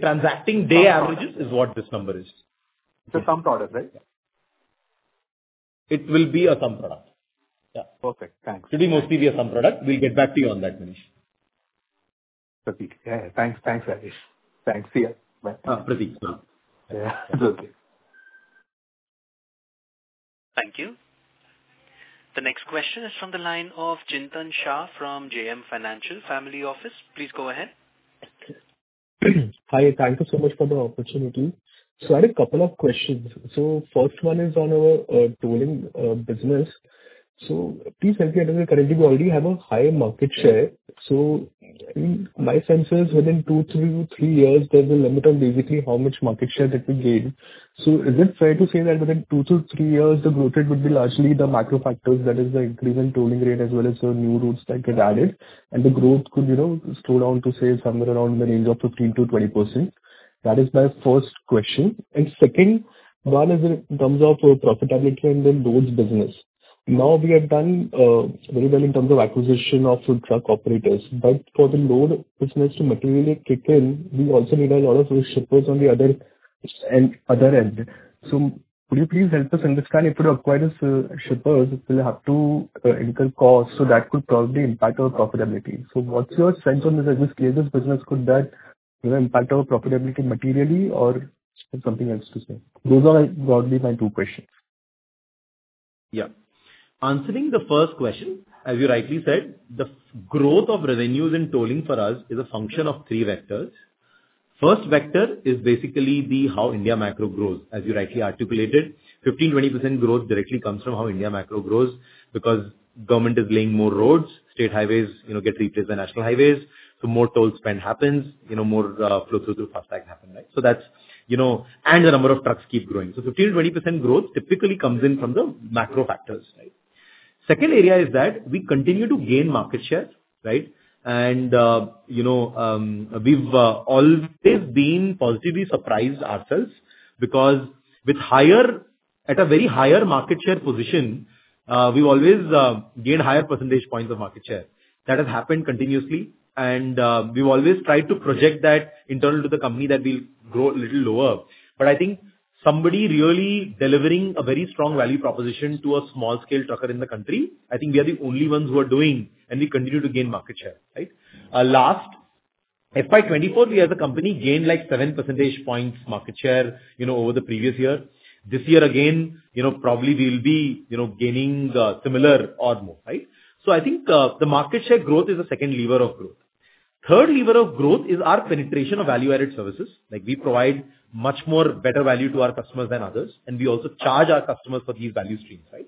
transacting day averages is what this number is. It's a sum product, right? It will be a sum product. Yeah. Perfect. Thanks. It should mostly be a sum product. We'll get back to you on that, Manish. Pratik. Yeah. Thanks. Thanks, Rajesh. Thanks. See you. Bye. Pratik. Thank you. The next question is from the line of Chintan Shah from JM Financial Family Office. Please go ahead. Hi. Thank you so much for the opportunity. So I had a couple of questions. So first one is on our tolling business. So please help me understand. Currently, we already have a high market share. So my sense is within two, three, three years, there's a limit on basically how much market share that we gain. So is it fair to say that within two, three, three years, the growth rate would be largely the macro factors, that is the increase in tolling rate as well as new routes that get added, and the growth could slow down to, say, somewhere around the range of 15%-20%? That is my first question. And second one is in terms of profitability and the loads business. Now we have done very well in terms of acquisition of truck operators. But for the load business to materially kick in, we also need a lot of shippers on the other end. So would you please help us understand if we require shippers, we'll have to incur costs. So that could probably impact our profitability. So what's your sense on this business? Could that impact our profitability materially or something else to say? Those are broadly my two questions. Yeah. Answering the first question, as you rightly said, the growth of revenues in tolling for us is a function of three vectors. First vector is basically the how India macro grows. As you rightly articulated, 15%-20% growth directly comes from how India macro grows because government is laying more roads. State highways get replaced by national highways. So more toll spend happens. More flow-through through FASTag happen, right? So that's and the number of trucks keep growing. So 15%-20% growth typically comes in from the macro factors, right? Second area is that we continue to gain market share, right? We've always been positively surprised ourselves because with higher at a very higher market share position, we've always gained higher percentage points of market share. That has happened continuously. We've always tried to project that internal to the company that we'll grow a little lower. But I think somebody really delivering a very strong value proposition to a small-scale trucker in the country, I think we are the only ones who are doing, and we continue to gain market share, right? Last FY 2024, we as a company gained like 7 percentage points market share over the previous year. This year again, probably we'll be gaining similar or more, right? So I think the market share growth is a second lever of growth. Third lever of growth is our penetration of value-added services. We provide much more better value to our customers than others, and we also charge our customers for these value streams, right?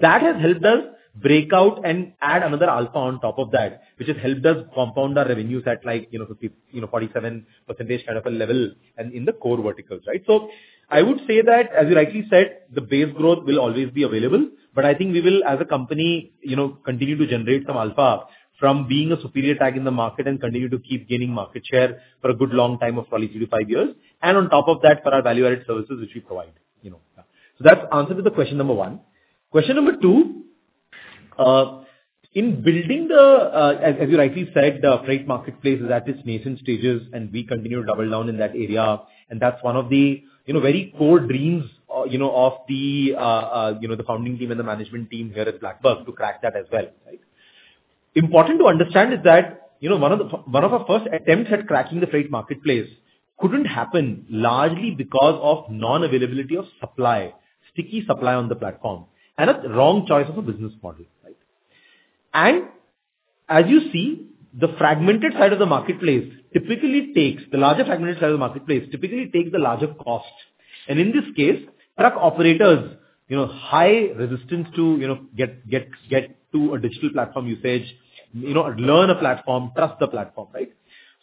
That has helped us break out and add another alpha on top of that, which has helped us compound our revenues at like 47% kind of a level and in the core verticals, right? So I would say that, as you rightly said, the base growth will always be available. But I think we will, as a company, continue to generate some alpha from being a superior tag in the market and continue to keep gaining market share for a good long time of probably three to five years. And on top of that, for our value-added services, which we provide. So that's answered to the question number one. Question number two, in building the, as you rightly said, the freight marketplace is at its nascent stages, and we continue to double down in that area. And that's one of the very core dreams of the founding team and the management team here at BlackBuck to crack that as well, right? Important to understand is that one of our first attempts at cracking the freight marketplace couldn't happen largely because of non-availability of supply, sticky supply on the platform, and a wrong choice of a business model, right? And as you see, the fragmented side of the marketplace typically takes the larger cost. And in this case, truck operators, high resistance to get to a digital platform usage, learn a platform, trust the platform, right?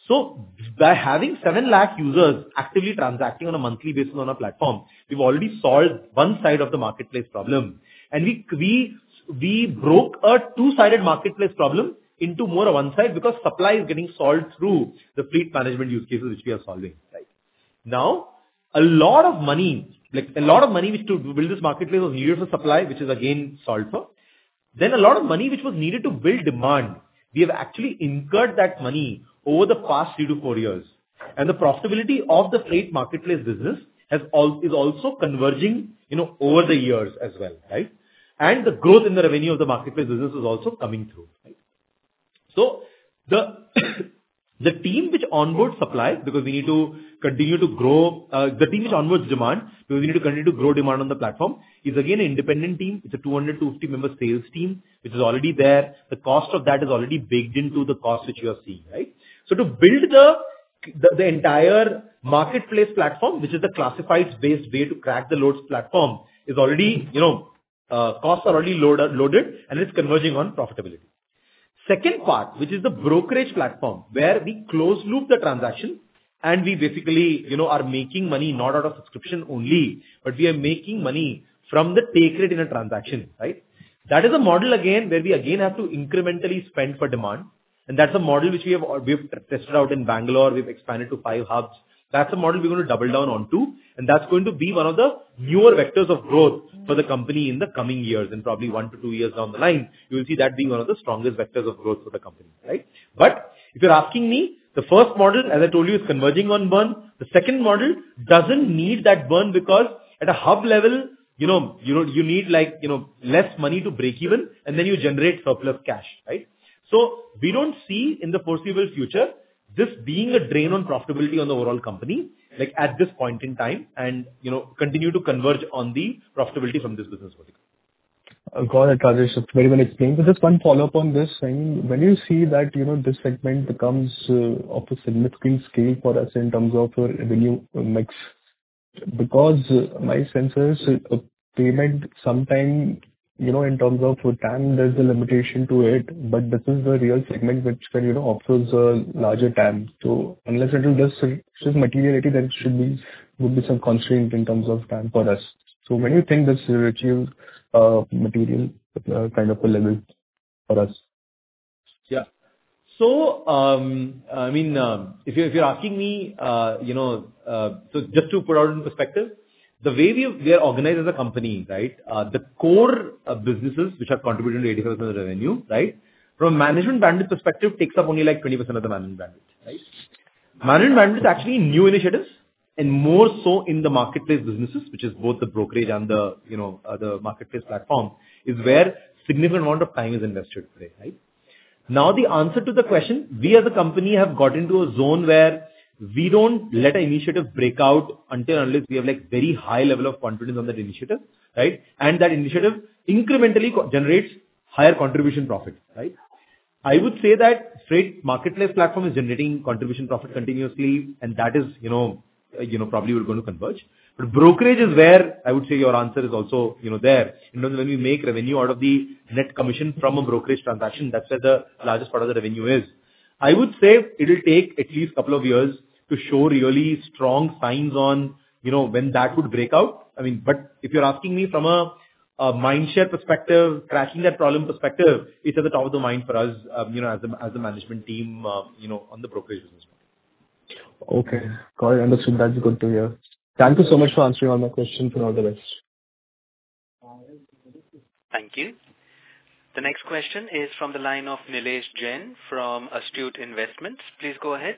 So by having 7 lakh users actively transacting on a monthly basis on our platform, we've already solved one side of the marketplace problem. And we broke a two-sided marketplace problem into more of one side because supply is getting solved through the fleet management use cases, which we are solving, right? Now, a lot of money, a lot of money to build this marketplace was needed for supply, which is again solved for. Then a lot of money which was needed to build demand, we have actually incurred that money over the past three-to-four years. And the profitability of the freight marketplace business is also converging over the years as well, right? And the growth in the revenue of the marketplace business is also coming through, right? So the team which onboards supply because we need to continue to grow the team which onboards demand because we need to continue to grow demand on the platform is again an independent team. It's a 200-250 member sales team which is already there. The cost of that is already baked into the cost which you are seeing, right? So to build the entire marketplace platform, which is a classified space way to crack the loads platform, is already costs are already loaded, and it's converging on profitability. Second part, which is the brokerage platform where we close loop the transaction, and we basically are making money not out of subscription only, but we are making money from the take rate in a transaction, right? That is a model again where we again have to incrementally spend for demand. That's a model which we have tested out in Bangalore. We've expanded to five hubs. That's a model we're going to double down onto. That's going to be one of the newer vectors of growth for the company in the coming years. In probably one to two years down the line, you will see that being one of the strongest vectors of growth for the company, right? If you're asking me, the first model, as I told you, is converging on burn. The second model doesn't need that burn because at a hub level, you need less money to break even, and then you generate surplus cash, right? We don't see in the foreseeable future this being a drain on profitability on the overall company at this point in time and continue to converge on the profitability from this business vertical. Got it, Rajesh. It's very well explained, but just one follow-up on this. I mean, when you see that this segment becomes of a significant scale for us in terms of revenue mix, because my sense is payment sometime in terms of TAM, there's a limitation to it. But this is the real segment which can offer the larger TAM. So unless it will just shift materiality, there should be some constraint in terms of TAM for us. So when you think this will achieve material kind of a level for us? Yeah. So I mean, if you're asking me, so just to put it in perspective, the way we are organized as a company, right? The core businesses which are contributing to 85% of the revenue, right? From a management bandwidth perspective, takes up only like 20% of the management bandwidth, right? Management bandwidth is actually new initiatives and more so in the marketplace businesses, which is both the brokerage and the marketplace platform, is where a significant amount of time is invested today, right? Now, the answer to the question, we as a company have got into a zone where we don't let an initiative break out until we have very high level of confidence on that initiative, right? And that initiative incrementally generates higher contribution profit, right? I would say that freight marketplace platform is generating contribution profit continuously, and that is probably we're going to converge. But brokerage is where I would say your answer is also there. When we make revenue out of the net commission from a brokerage transaction, that's where the largest part of the revenue is. I would say it'll take at least a couple of years to show really strong signs on when that would break out. I mean, but if you're asking me from a mindshare perspective, cracking that problem perspective, it's at the top of the mind for us as a management team on the brokerage business. Okay. Got it. Understood. That's good to hear. Thank you so much for answering all my questions. All the best. Thank you. The next question is from the line of Nilesh Jain from Astute Investments. Please go ahead.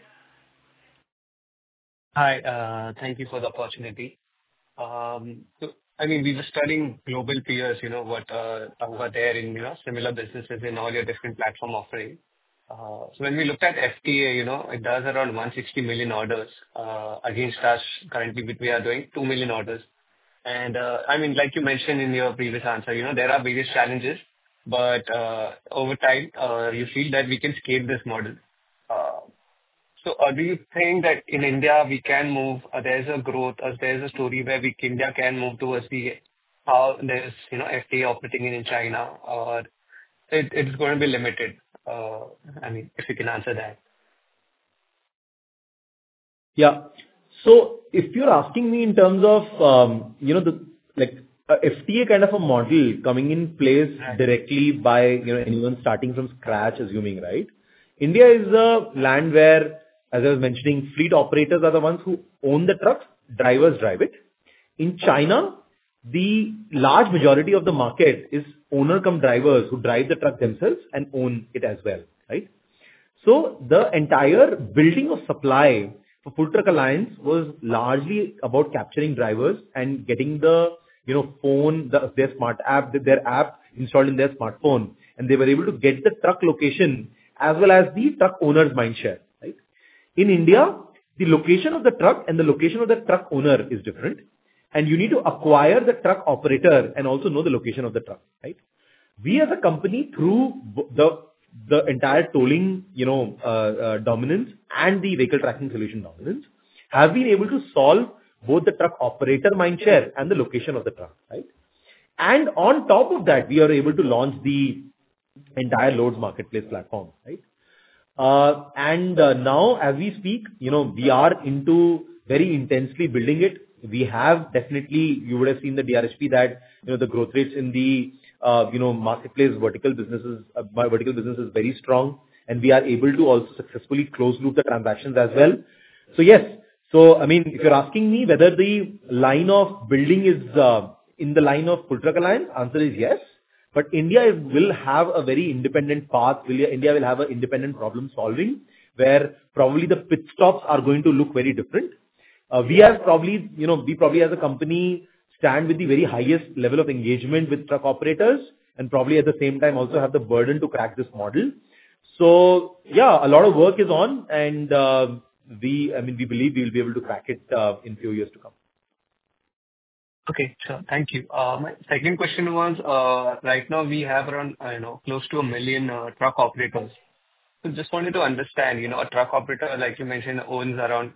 Hi. Thank you for the opportunity. I mean, we were studying global peers, what are there in similar businesses in all your different platform offering. So when we looked at FTA, it does around 160 million orders against us currently, which we are doing 2 million orders. I mean, like you mentioned in your previous answer, there are various challenges, but over time, you feel that we can scale this model. Do you think that in India, we can move? There's a growth. There's a story where India can move towards how there's FTA operating in China, or it's going to be limited. I mean, if you can answer that. Yeah. If you're asking me in terms of the FTA kind of a model coming in place directly by anyone starting from scratch, assuming, right? India is a land where, as I was mentioning, fleet operators are the ones who own the truck. Drivers drive it. In China, the large majority of the market is owner-cum drivers who drive the truck themselves and own it as well, right? So the entire building of supply for Full Truck Alliance was largely about capturing drivers and getting the phone, their smart app, their app installed in their smartphone. And they were able to get the truck location as well as the truck owner's mindshare, right? In India, the location of the truck and the location of the truck owner is different. And you need to acquire the truck operator and also know the location of the truck, right? We as a company, through the entire tolling dominance and the vehicle tracking solution dominance, have been able to solve both the truck operator mindshare and the location of the truck, right? And on top of that, we are able to launch the entire loads marketplace platform, right? And now, as we speak, we are into very intensely building it. We have definitely, you would have seen the DRHP that the growth rates in the marketplace vertical businesses are very strong, and we are able to also successfully close loop the transactions as well. So yes. So I mean, if you're asking me whether the line of building is in the line of Full Truck Alliance, the answer is yes, but India will have a very independent path. India will have an independent problem-solving where probably the pit stops are going to look very different. We probably as a company stand with the very highest level of engagement with truck operators and probably at the same time also have the burden to crack this model. So yeah, a lot of work is on, and I mean, we believe we will be able to crack it in a few years to come. Okay. Thank you. My second question was, right now we have around close to a million truck operators. So just wanted to understand, a truck operator, like you mentioned, owns around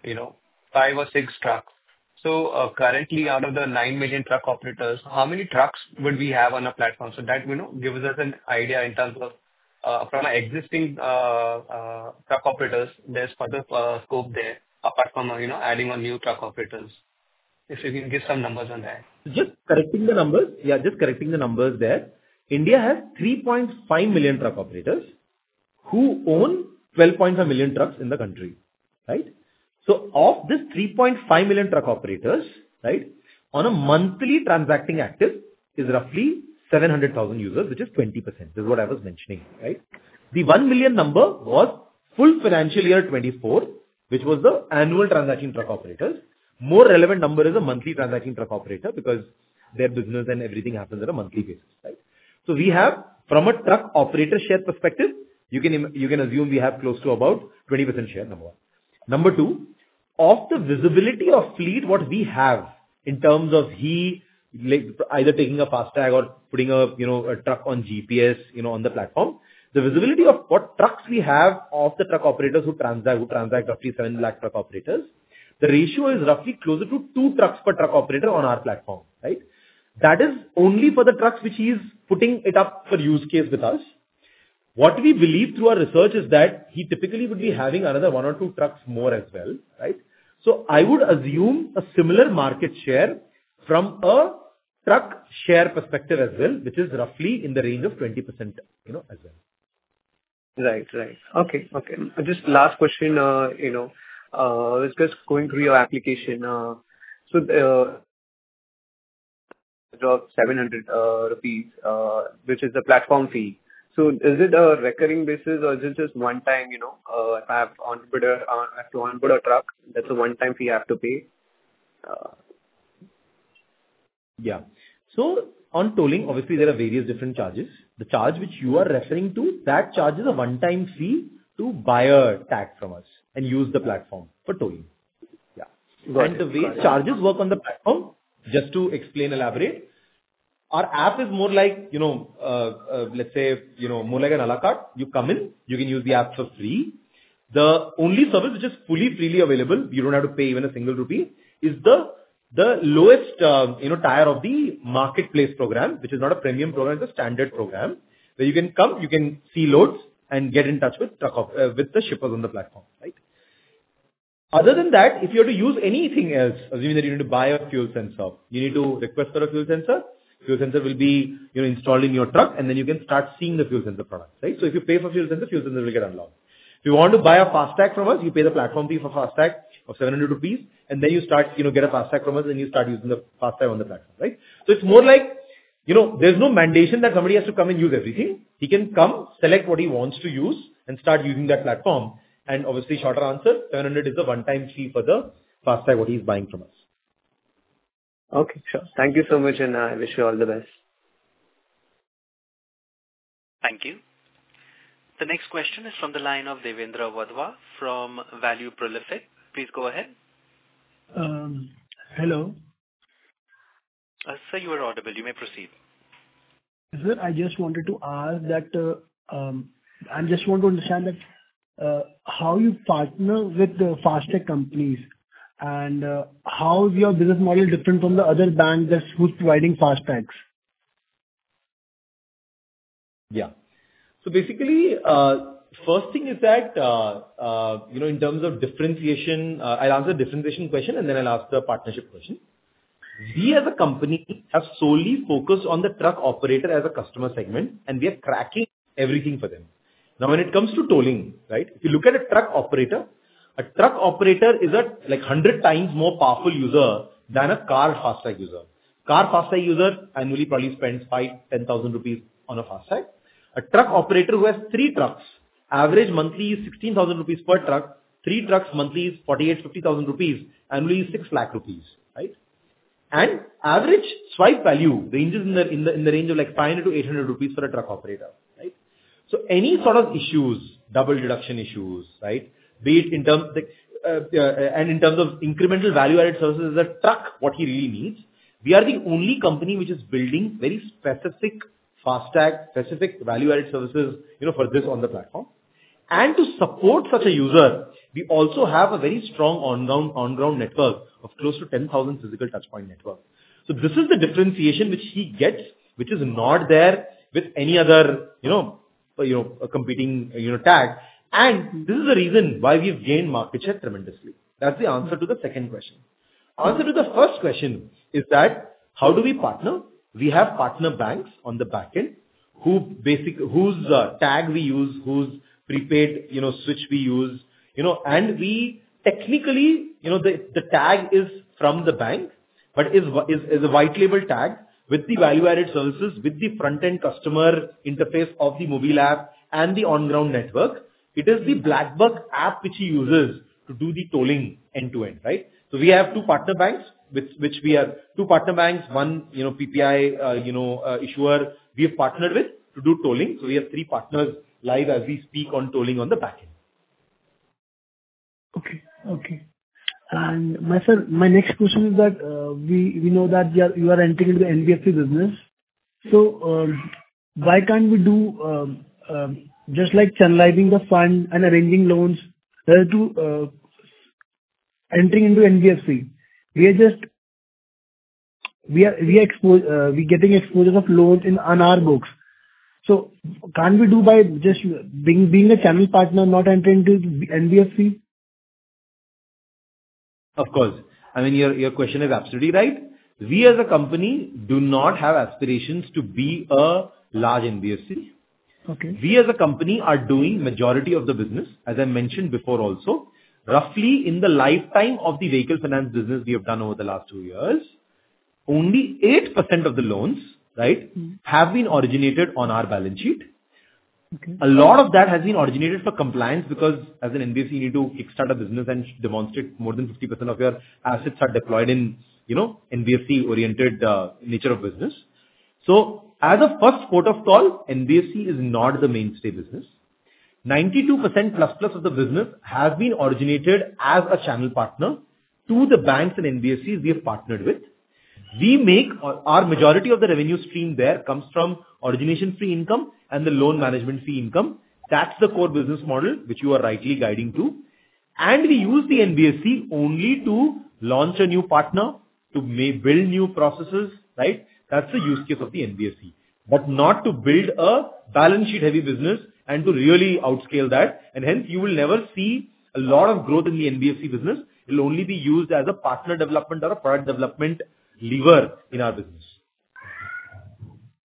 five or six trucks. So currently, out of the 9 million truck operators, how many trucks would we have on a platform? So that gives us an idea in terms of from existing truck operators, there's further scope there apart from adding on new truck operators. If you can give some numbers on that. Just correcting the numbers. Yeah, just correcting the numbers there. India has 3.5 million truck operators who own 12.5 million trucks in the country, right? So of this 3.5 million truck operators, right, on a monthly transacting active is roughly 700,000 users, which is 20%. This is what I was mentioning, right? The 1 million number was full financial year 2024, which was the annual transacting truck operators. More relevant number is a monthly transacting truck operator because their business and everything happens on a monthly basis, right? So we have, from a truck operator share perspective, you can assume we have close to about 20% share. Number one. Number two, of the visibility of fleet, what we have in terms of he either taking a FASTag or putting a truck on GPS on the platform, the visibility of what trucks we have of the truck operators who transact roughly 7 lakh truck operators, the ratio is roughly closer to two trucks per truck operator on our platform, right? That is only for the trucks which he's putting it up for use case with us. What we believe through our research is that he typically would be having another one or two trucks more as well, right? So I would assume a similar market share from a truck share perspective as well, which is roughly in the range of 20% as well. Right. Right. Okay. Okay. Just last question. I was just going through your application. So the 700 rupees, which is the platform fee. So is it a recurring basis or is it just one-time? If I have to onboard a truck, that's a one-time fee I have to pay? Yeah. So on tolling, obviously, there are various different charges. The charge which you are referring to, that charge is a one-time fee to buy a tag from us and use the platform for tolling. Yeah. And the way charges work on the platform, just to explain, elaborate, our app is more like, let's say, more like an à la carte. You come in, you can use the app for free. The only service which is fully freely available, you don't have to pay even a single rupee, is the lowest tier of the marketplace program, which is not a premium program, it's a standard program, where you can come, you can see loads, and get in touch with the shippers on the platform, right? Other than that, if you have to use anything else, assuming that you need to buy a fuel sensor, you need to request for a fuel sensor. Fuel sensor will be installed in your truck, and then you can start seeing the fuel sensor product, right? So if you pay for fuel sensor, fuel sensor will get unlocked. If you want to buy a FASTag from us, you pay the platform fee for FASTag of 700 rupees, and then you start, get a FASTag from us, and you start using the FASTag on the platform, right? So it's more like there's no mandate that somebody has to come and use everything. He can come, select what he wants to use, and start using that platform. Obviously, shorter answer, 700 is the one-time fee for the FASTag what he's buying from us. Okay. Sure. Thank you so much, and I wish you all the best. Thank you. The next question is from the line of Devender Wadhwa from Value Prolific. Please go ahead. Hello. I saw you were audible. You may proceed. Sir, I just wanted to ask that I just want to understand how you partner with the FASTag companies and how is your business model different from the other banks that's who's providing FASTags? Yeah. So basically, first thing is that in terms of differentiation, I'll answer the differentiation question, and then I'll ask the partnership question. We as a company have solely focused on the truck operator as a customer segment, and we are cracking everything for them. Now, when it comes to tolling, right, if you look at a truck operator, a truck operator is a 100 times more powerful user than a car FASTag user. Car FASTag user annually probably spends 5,000-10,000 rupees on a FASTag. A truck operator who has three trucks, average monthly is 16,000 rupees per truck. Three trucks monthly is 48,000-50,000 rupees. Annually is 6 lakh rupees, right? And average swipe value ranges in the range of 500-800 rupees for a truck operator, right? So any sort of issues, double deduction issues, right, and in terms of incremental value-added services as a truck, what he really needs, we are the only company which is building very specific FASTag-specific value-added services for this on the platform. And to support such a user, we also have a very strong on-ground network of close to 10,000 physical touchpoint networks. So this is the differentiation which he gets, which is not there with any other competing tag. And this is the reason why we've gained market share tremendously. That's the answer to the second question. Answer to the first question is that how do we partner? We have partner banks on the backend whose tag we use, whose prepaid switch we use. Technically, the tag is from the bank, but it's a white label tag with the value-added services with the front-end customer interface of the mobile app and the on-ground network. It is the BlackBuck app which he uses to do the tolling end-to-end, right? So we have two partner banks, one PPI issuer we have partnered with to do tolling. So we have three partners live as we speak on tolling on the backend. Okay. Okay. My next question is that we know that you are entering into the NBFC business. So why can't we do just like channelizing the fund and arranging loans? Entering into NBFC, we are getting exposure of loans in our books. So can't we do by just being a channel partner, not entering into NBFC? Of course. I mean, your question is absolutely right. We as a company do not have aspirations to be a large NBFC. We as a company are doing majority of the business, as I mentioned before also, roughly in the lifetime of the vehicle finance business we have done over the last two years, only 8% of the loans, right, have been originated on our balance sheet. A lot of that has been originated for compliance because as an NBFC, you need to kickstart a business and demonstrate more than 50% of your assets are deployed in NBFC-oriented nature of business. So as a first quarter of call, NBFC is not the mainstay business. 92%+ of the business has been originated as a channel partner to the banks and NBFCs we have partnered with. We make our majority of the revenue stream there comes from origination fee income and the loan management fee income. That's the core business model which you are rightly guiding to. And we use the NBFC only to launch a new partner, to build new processes, right? That's the use case of the NBFC, but not to build a balance sheet-heavy business and to really outscale that. And hence, you will never see a lot of growth in the NBFC business. It will only be used as a partner development or a product development lever in our business.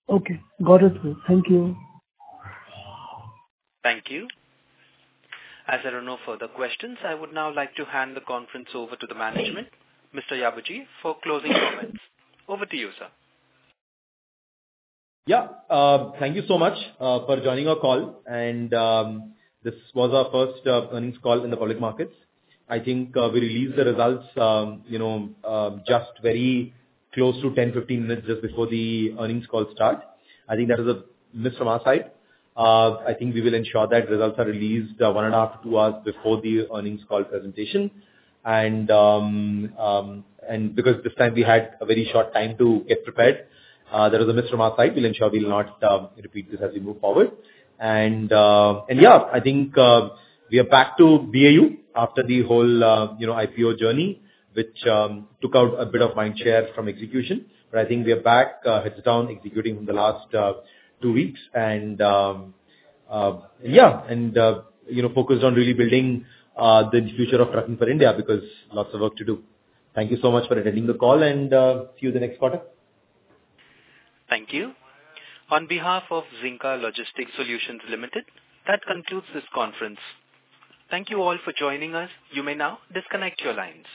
Okay. Got it. Thank you. Thank you. As there are no further questions, I would now like to hand the conference over to the management, Mr. Yabaji, for closing comments. Over to you, sir. Yeah. Thank you so much for joining our call. And this was our first earnings call in the public markets. I think we released the results just very close to 10-15 minutes just before the earnings call start. I think that was a miss from our side. I think we will ensure that results are released one and a half to two hours before the earnings call presentation, and because this time we had a very short time to get prepared, that was a miss from our side. We'll ensure we'll not repeat this as we move forward, and yeah, I think we are back to BAU after the whole IPO journey, which took out a bit of mindshare from execution, but I think we are back, heads down, executing from the last two weeks, and yeah, and focused on really building the future of trucking for India because lots of work to do. Thank you so much for attending the call, and see you the next quarter. Thank you. On behalf of Zinka Logistics Solutions Limited, that concludes this conference. Thank you all for joining us. You may now disconnect your lines.